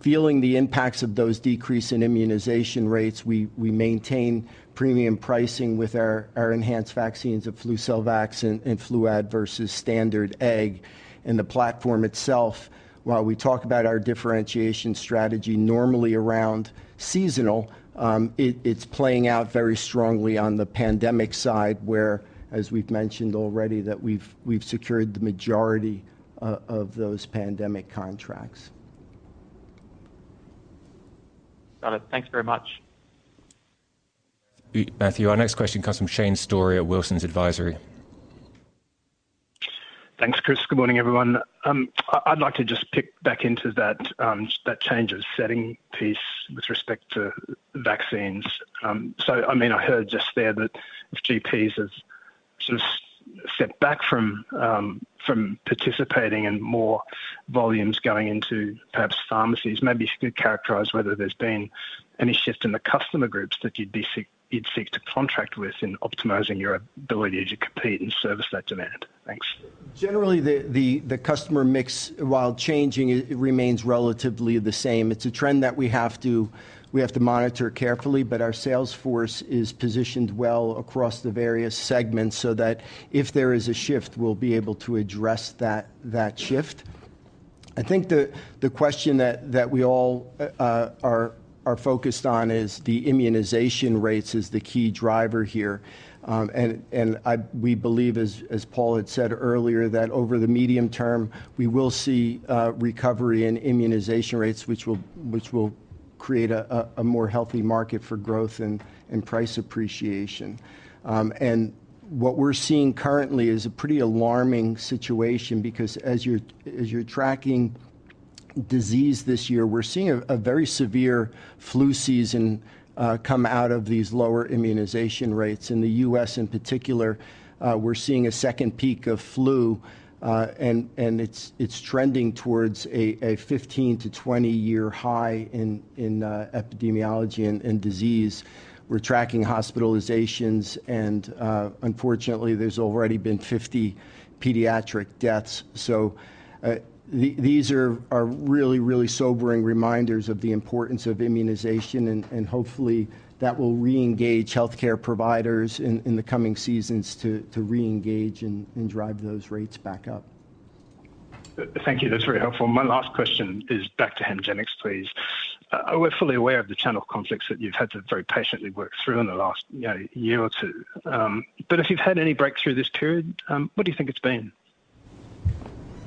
feeling the impacts of those decreases in immunization rates, we maintain premium pricing with our enhanced vaccines of Flucelvax and Fluad versus standard egg. And the platform itself, while we talk about our differentiation strategy normally around seasonal, it's playing out very strongly on the pandemic side where, as we've mentioned already, we've secured the majority of those pandemic contracts. Got it. Thanks very much. Matthew, our next question comes from Shane Storey at Wilsons Advisory. Thanks, Chris. Good morning, everyone. I'd like to just pick back into that change of setting piece with respect to vaccines. So, I mean, I heard just there that GPs have sort of stepped back from participating and more volumes going into perhaps pharmacies. Maybe you could characterize whether there's been any shift in the customer groups that you'd seek to contract with in optimizing your ability to compete and service that demand. Thanks. Generally, the customer mix while changing, it remains relatively the same. It's a trend that we have to monitor carefully, but our sales force is positioned well across the various segments so that if there is a shift, we'll be able to address that shift. I think the question that we all are focused on is the immunization rates as the key driver here. We believe, as Paul had said earlier, that over the medium term, we will see recovery in immunization rates, which will create a more healthy market for growth and price appreciation. What we're seeing currently is a pretty alarming situation because as you're tracking disease this year, we're seeing a very severe flu season come out of these lower immunization rates. In the U.S., in particular, we're seeing a second peak of flu, and it's trending towards a 15 to 20-year high in epidemiology and disease. We're tracking hospitalizations, and unfortunately, there's already been 50 pediatric deaths. These are really, really sobering reminders of the importance of immunization, and hopefully, that will reengage healthcare providers in the coming seasons to reengage and drive those rates back up. Thank you. That's very helpful. My last question is back to HEMGENIX, please. We're fully aware of the channel conflicts that you've had to very patiently work through in the last year or two. But if you've had any breakthrough this period, what do you think it's been?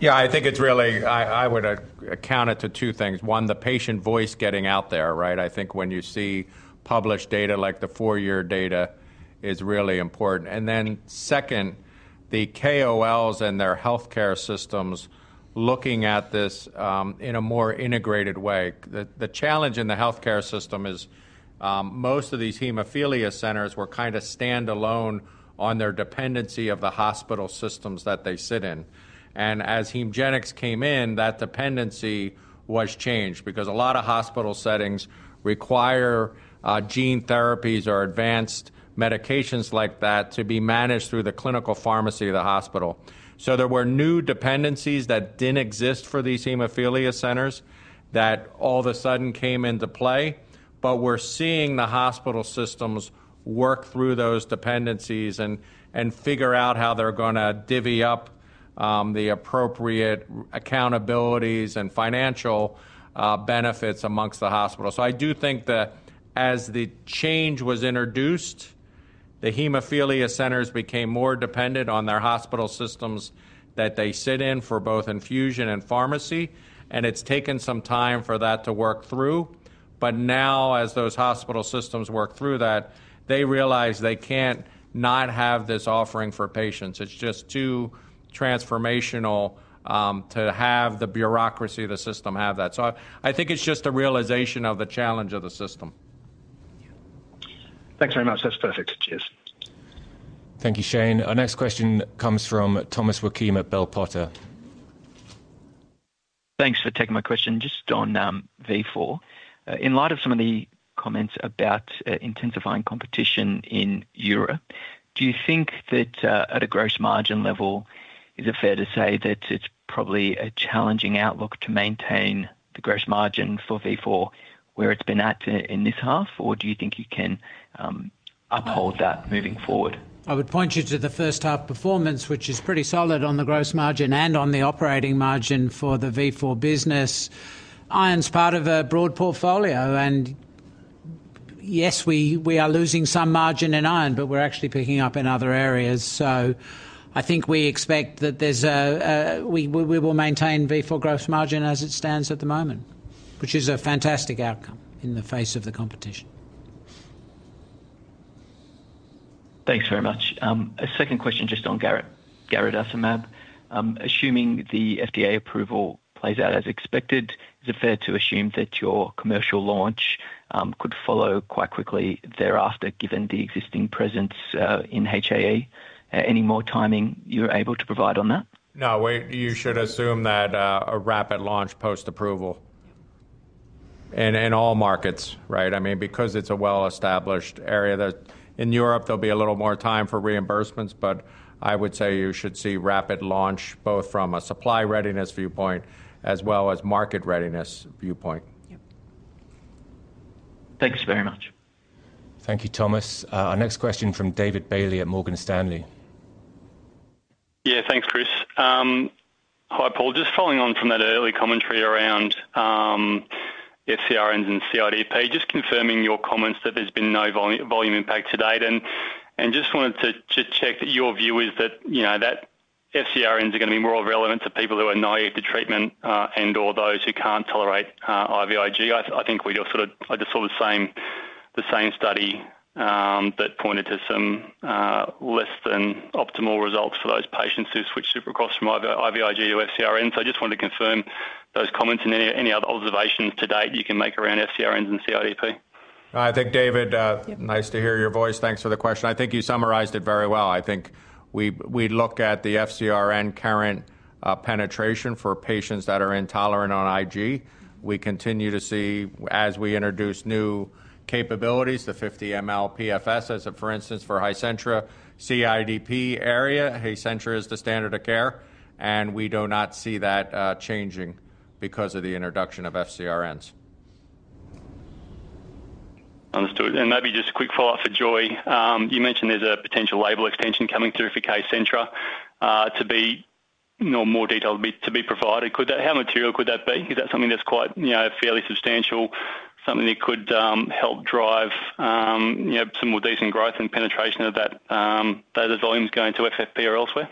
Yeah, I think it's really, I would account it to two things. One, the patient voice getting out there, right? I think when you see published data like the four-year data is really important. And then second, the KOLs and their healthcare systems looking at this in a more integrated way. The challenge in the healthcare system is most of these hemophilia centers were kind of standalone on their dependency of the hospital systems that they sit in. And as HEMGENIX came in, that dependency was changed because a lot of hospital settings require gene therapies or advanced medications like that to be managed through the clinical pharmacy of the hospital. So there were new dependencies that didn't exist for these hemophilia centers that all of a sudden came into play. But we're seeing the hospital systems work through those dependencies and figure out how they're going to divvy up the appropriate accountabilities and financial benefits amongst the hospital. So I do think that as the change was introduced, the hemophilia centers became more dependent on their hospital systems that they sit in for both infusion and pharmacy. And it's taken some time for that to work through. But now, as those hospital systems work through that, they realize they can't not have this offering for patients. It's just too transformational to have the bureaucracy, the system have that. So I think it's just a realization of the challenge of the system. Thanks very much. That's perfect. Cheers. Thank you, Shane. Our next question comes from Thomas Wakim at Bell Potter. Thanks for taking my question. Just on Vifor. In light of some of the comments about intensifying competition in Europe, do you think that at a gross margin level, is it fair to say that it's probably a challenging outlook to maintain the gross margin for Vifor where it's been at in this half? Or do you think you can uphold that moving forward? I would point you to the first half performance, which is pretty solid on the gross margin and on the operating margin for the Vifor business. Iron's part of a broad portfolio. And yes, we are losing some margin in iron, but we're actually picking up in other areas. So I think we expect that we will maintain Vifor gross margin as it stands at the moment, which is a fantastic outcome in the face of the competition. Thanks very much. A second question just on garadacimab. Assuming the FDA approval plays out as expected, is it fair to assume that your commercial launch could follow quite quickly thereafter, given the existing presence in HAE? Any more timing you're able to provide on that? No, you should assume that a rapid launch post-approval in all markets, right? I mean, because it's a well-established area, in Europe, there'll be a little more time for reimbursements. But I would say you should see rapid launch both from a supply readiness viewpoint as well as market readiness viewpoint. Thanks very much. Thank you, Thomas. Our next question from David Bailey at Morgan Stanley. Yeah, thanks, Chris. Hi, Paul. Just following on from that early commentary around FcRns and CIDP, just confirming your comments that there's been no volume impact to date. Just wanted to check your view is that FcRns are going to be more relevant to people who are naive to treatment and/or those who can't tolerate IVIg. I think we just sort of saw the same study that pointed to some less than optimal results for those patients who switched across from IVIg to FcRn. I just wanted to confirm those comments and any other observations to date you can make around FcRns and CIDP. I think, David, nice to hear your voice. Thanks for the question. I think you summarized it very well. I think we look at the FcRn current penetration for patients that are intolerant on Ig. We continue to see, as we introduce new capabilities, the 50 ml PFS, as for instance, for Hizentra CIDP area. Hizentra is the standard of care. And we do not see that changing because of the introduction of FcRns. Understood. And maybe just a quick follow-up for Joy. You mentioned there's a potential label extension coming through for Hizentra to be more detailed to be provided. How material could that be? Is that something that's quite fairly substantial, something that could help drive some more decent growth and penetration of that, those volumes going to FFP or elsewhere?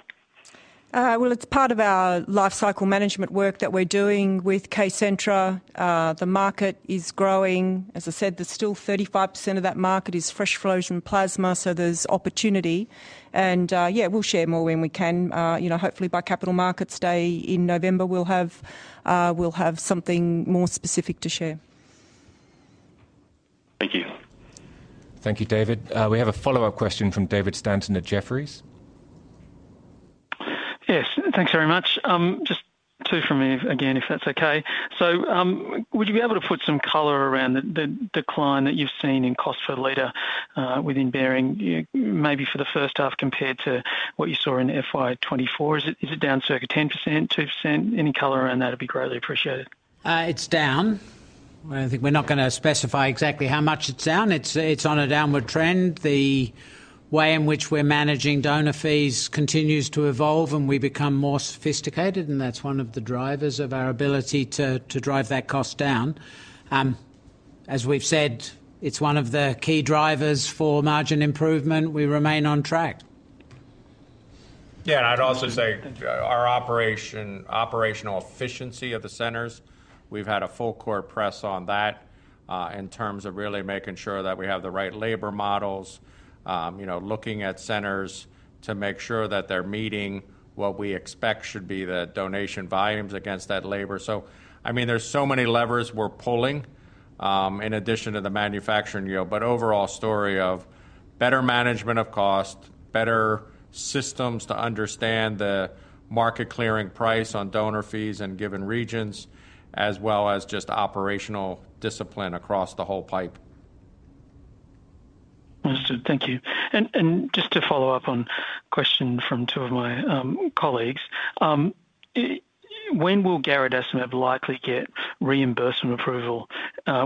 Well, it's part of our life cycle management work that we're doing with Hizentra. The market is growing. As I said, there's still 35% of that market is fresh frozen plasma, so there's opportunity. And yeah, we'll share more when we can. Hopefully, by Capital Markets Day in November, we'll have something more specific to share. Thank you. Thank you, David. We have a follow-up question from David Stanton at Jefferies. Yes, thanks very much. Just two from me again, if that's okay. So would you be able to put some color around the decline that you've seen in cost per liter within Behring, maybe for the first half compared to what you saw in FY 2024? Is it down circa 10%, 2%? Any color around that would be greatly appreciated. It's down. I think we're not going to specify exactly how much it's down. It's on a downward trend. The way in which we're managing donor fees continues to evolve, and we become more sophisticated, and that's one of the drivers of our ability to drive that cost down. As we've said, it's one of the key drivers for margin improvement. We remain on track. Yeah, and I'd also say our operational efficiency of the centers. We've had a full-court press on that in terms of really making sure that we have the right labor models, looking at centers to make sure that they're meeting what we expect should be the donation volumes against that labor. So, I mean, there's so many levers we're pulling in addition to the manufacturing yield. But overall story of better management of cost, better systems to understand the market clearing price on donor fees in given regions, as well as just operational discipline across the whole pipe. Understood. Thank you. And just to follow up on a question from two of my colleagues, when will garadacimab likely get reimbursement approval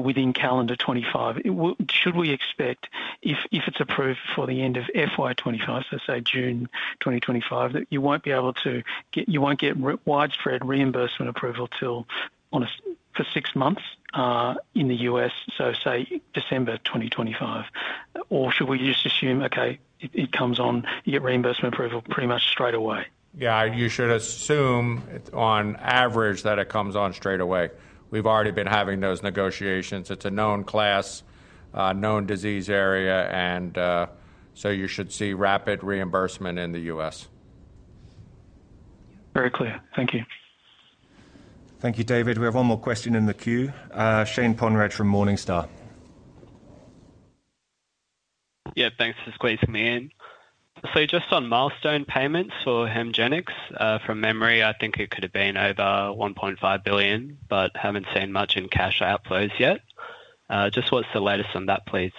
within calendar 2025? Should we expect, if it's approved for the end of FY 2025, so say June 2025, that you won't be able to get widespread reimbursement approval for six months in the U.S., so say December 2025? Or should we just assume, okay, it comes on, you get reimbursement approval pretty much straight away? Yeah, you should assume on average that it comes on straight away. We've already been having those negotiations. It's a known class, known disease area, and so you should see rapid reimbursement in the U.S. Very clear. Thank you. Thank you, David. We have one more question in the queue. Shane Ponraj from Morningstar. Yeah, thanks for squeezing me in. So just on milestone payments for HEMGENIX, from memory, I think it could have been over $1.5 billion, but haven't seen much in cash outflows yet. Just what's the latest on that, please?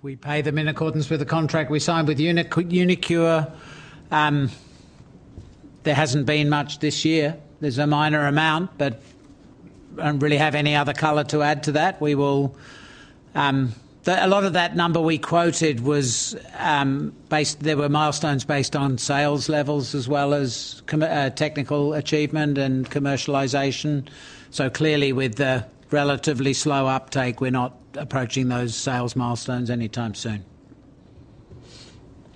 We pay them in accordance with the contract we signed with uniQure. There hasn't been much this year. There's a minor amount, but I don't really have any other color to add to that. A lot of that number we quoted was based; there were milestones based on sales levels as well as technical achievement and commercialization. So clearly, with the relatively slow uptake, we're not approaching those sales milestones anytime soon.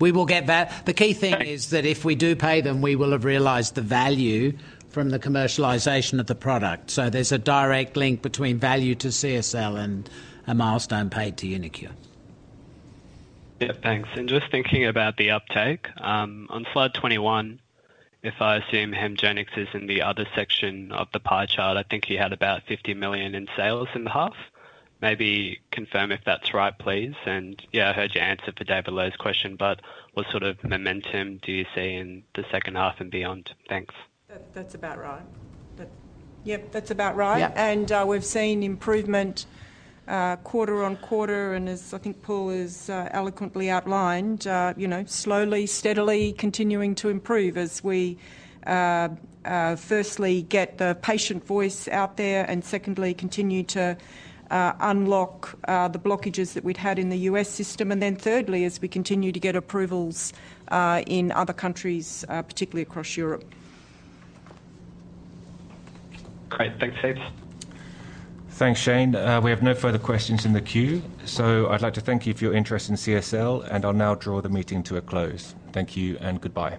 We will get that. The key thing is that if we do pay them, we will have realized the value from the commercialization of the product. So there's a direct link between value to CSL and a milestone paid to uniQure. Yeah, thanks. And just thinking about the uptake, on slide 21, if I assume HEMGENIX is in the other section of the pie chart, I think you had about $50 million in sales in the half. Maybe confirm if that's right, please. And yeah, I heard your answer for David Low's question, but what sort of momentum do you see in the second half and beyond? Thanks. That's about right. Yep, that's about right. And we've seen improvement quarter on quarter, and as I think Paul has eloquently outlined, slowly, steadily continuing to improve as we firstly get the patient voice out there and secondly continue to unlock the blockages that we'd had in the U.S. system. And then thirdly, as we continue to get approvals in other countries, particularly across Europe. Great. Thanks. Thanks, Shane. We have no further questions in the queue. So I'd like to thank you for your interest in CSL, and I'll now draw the meeting to a close. Thank you and goodbye.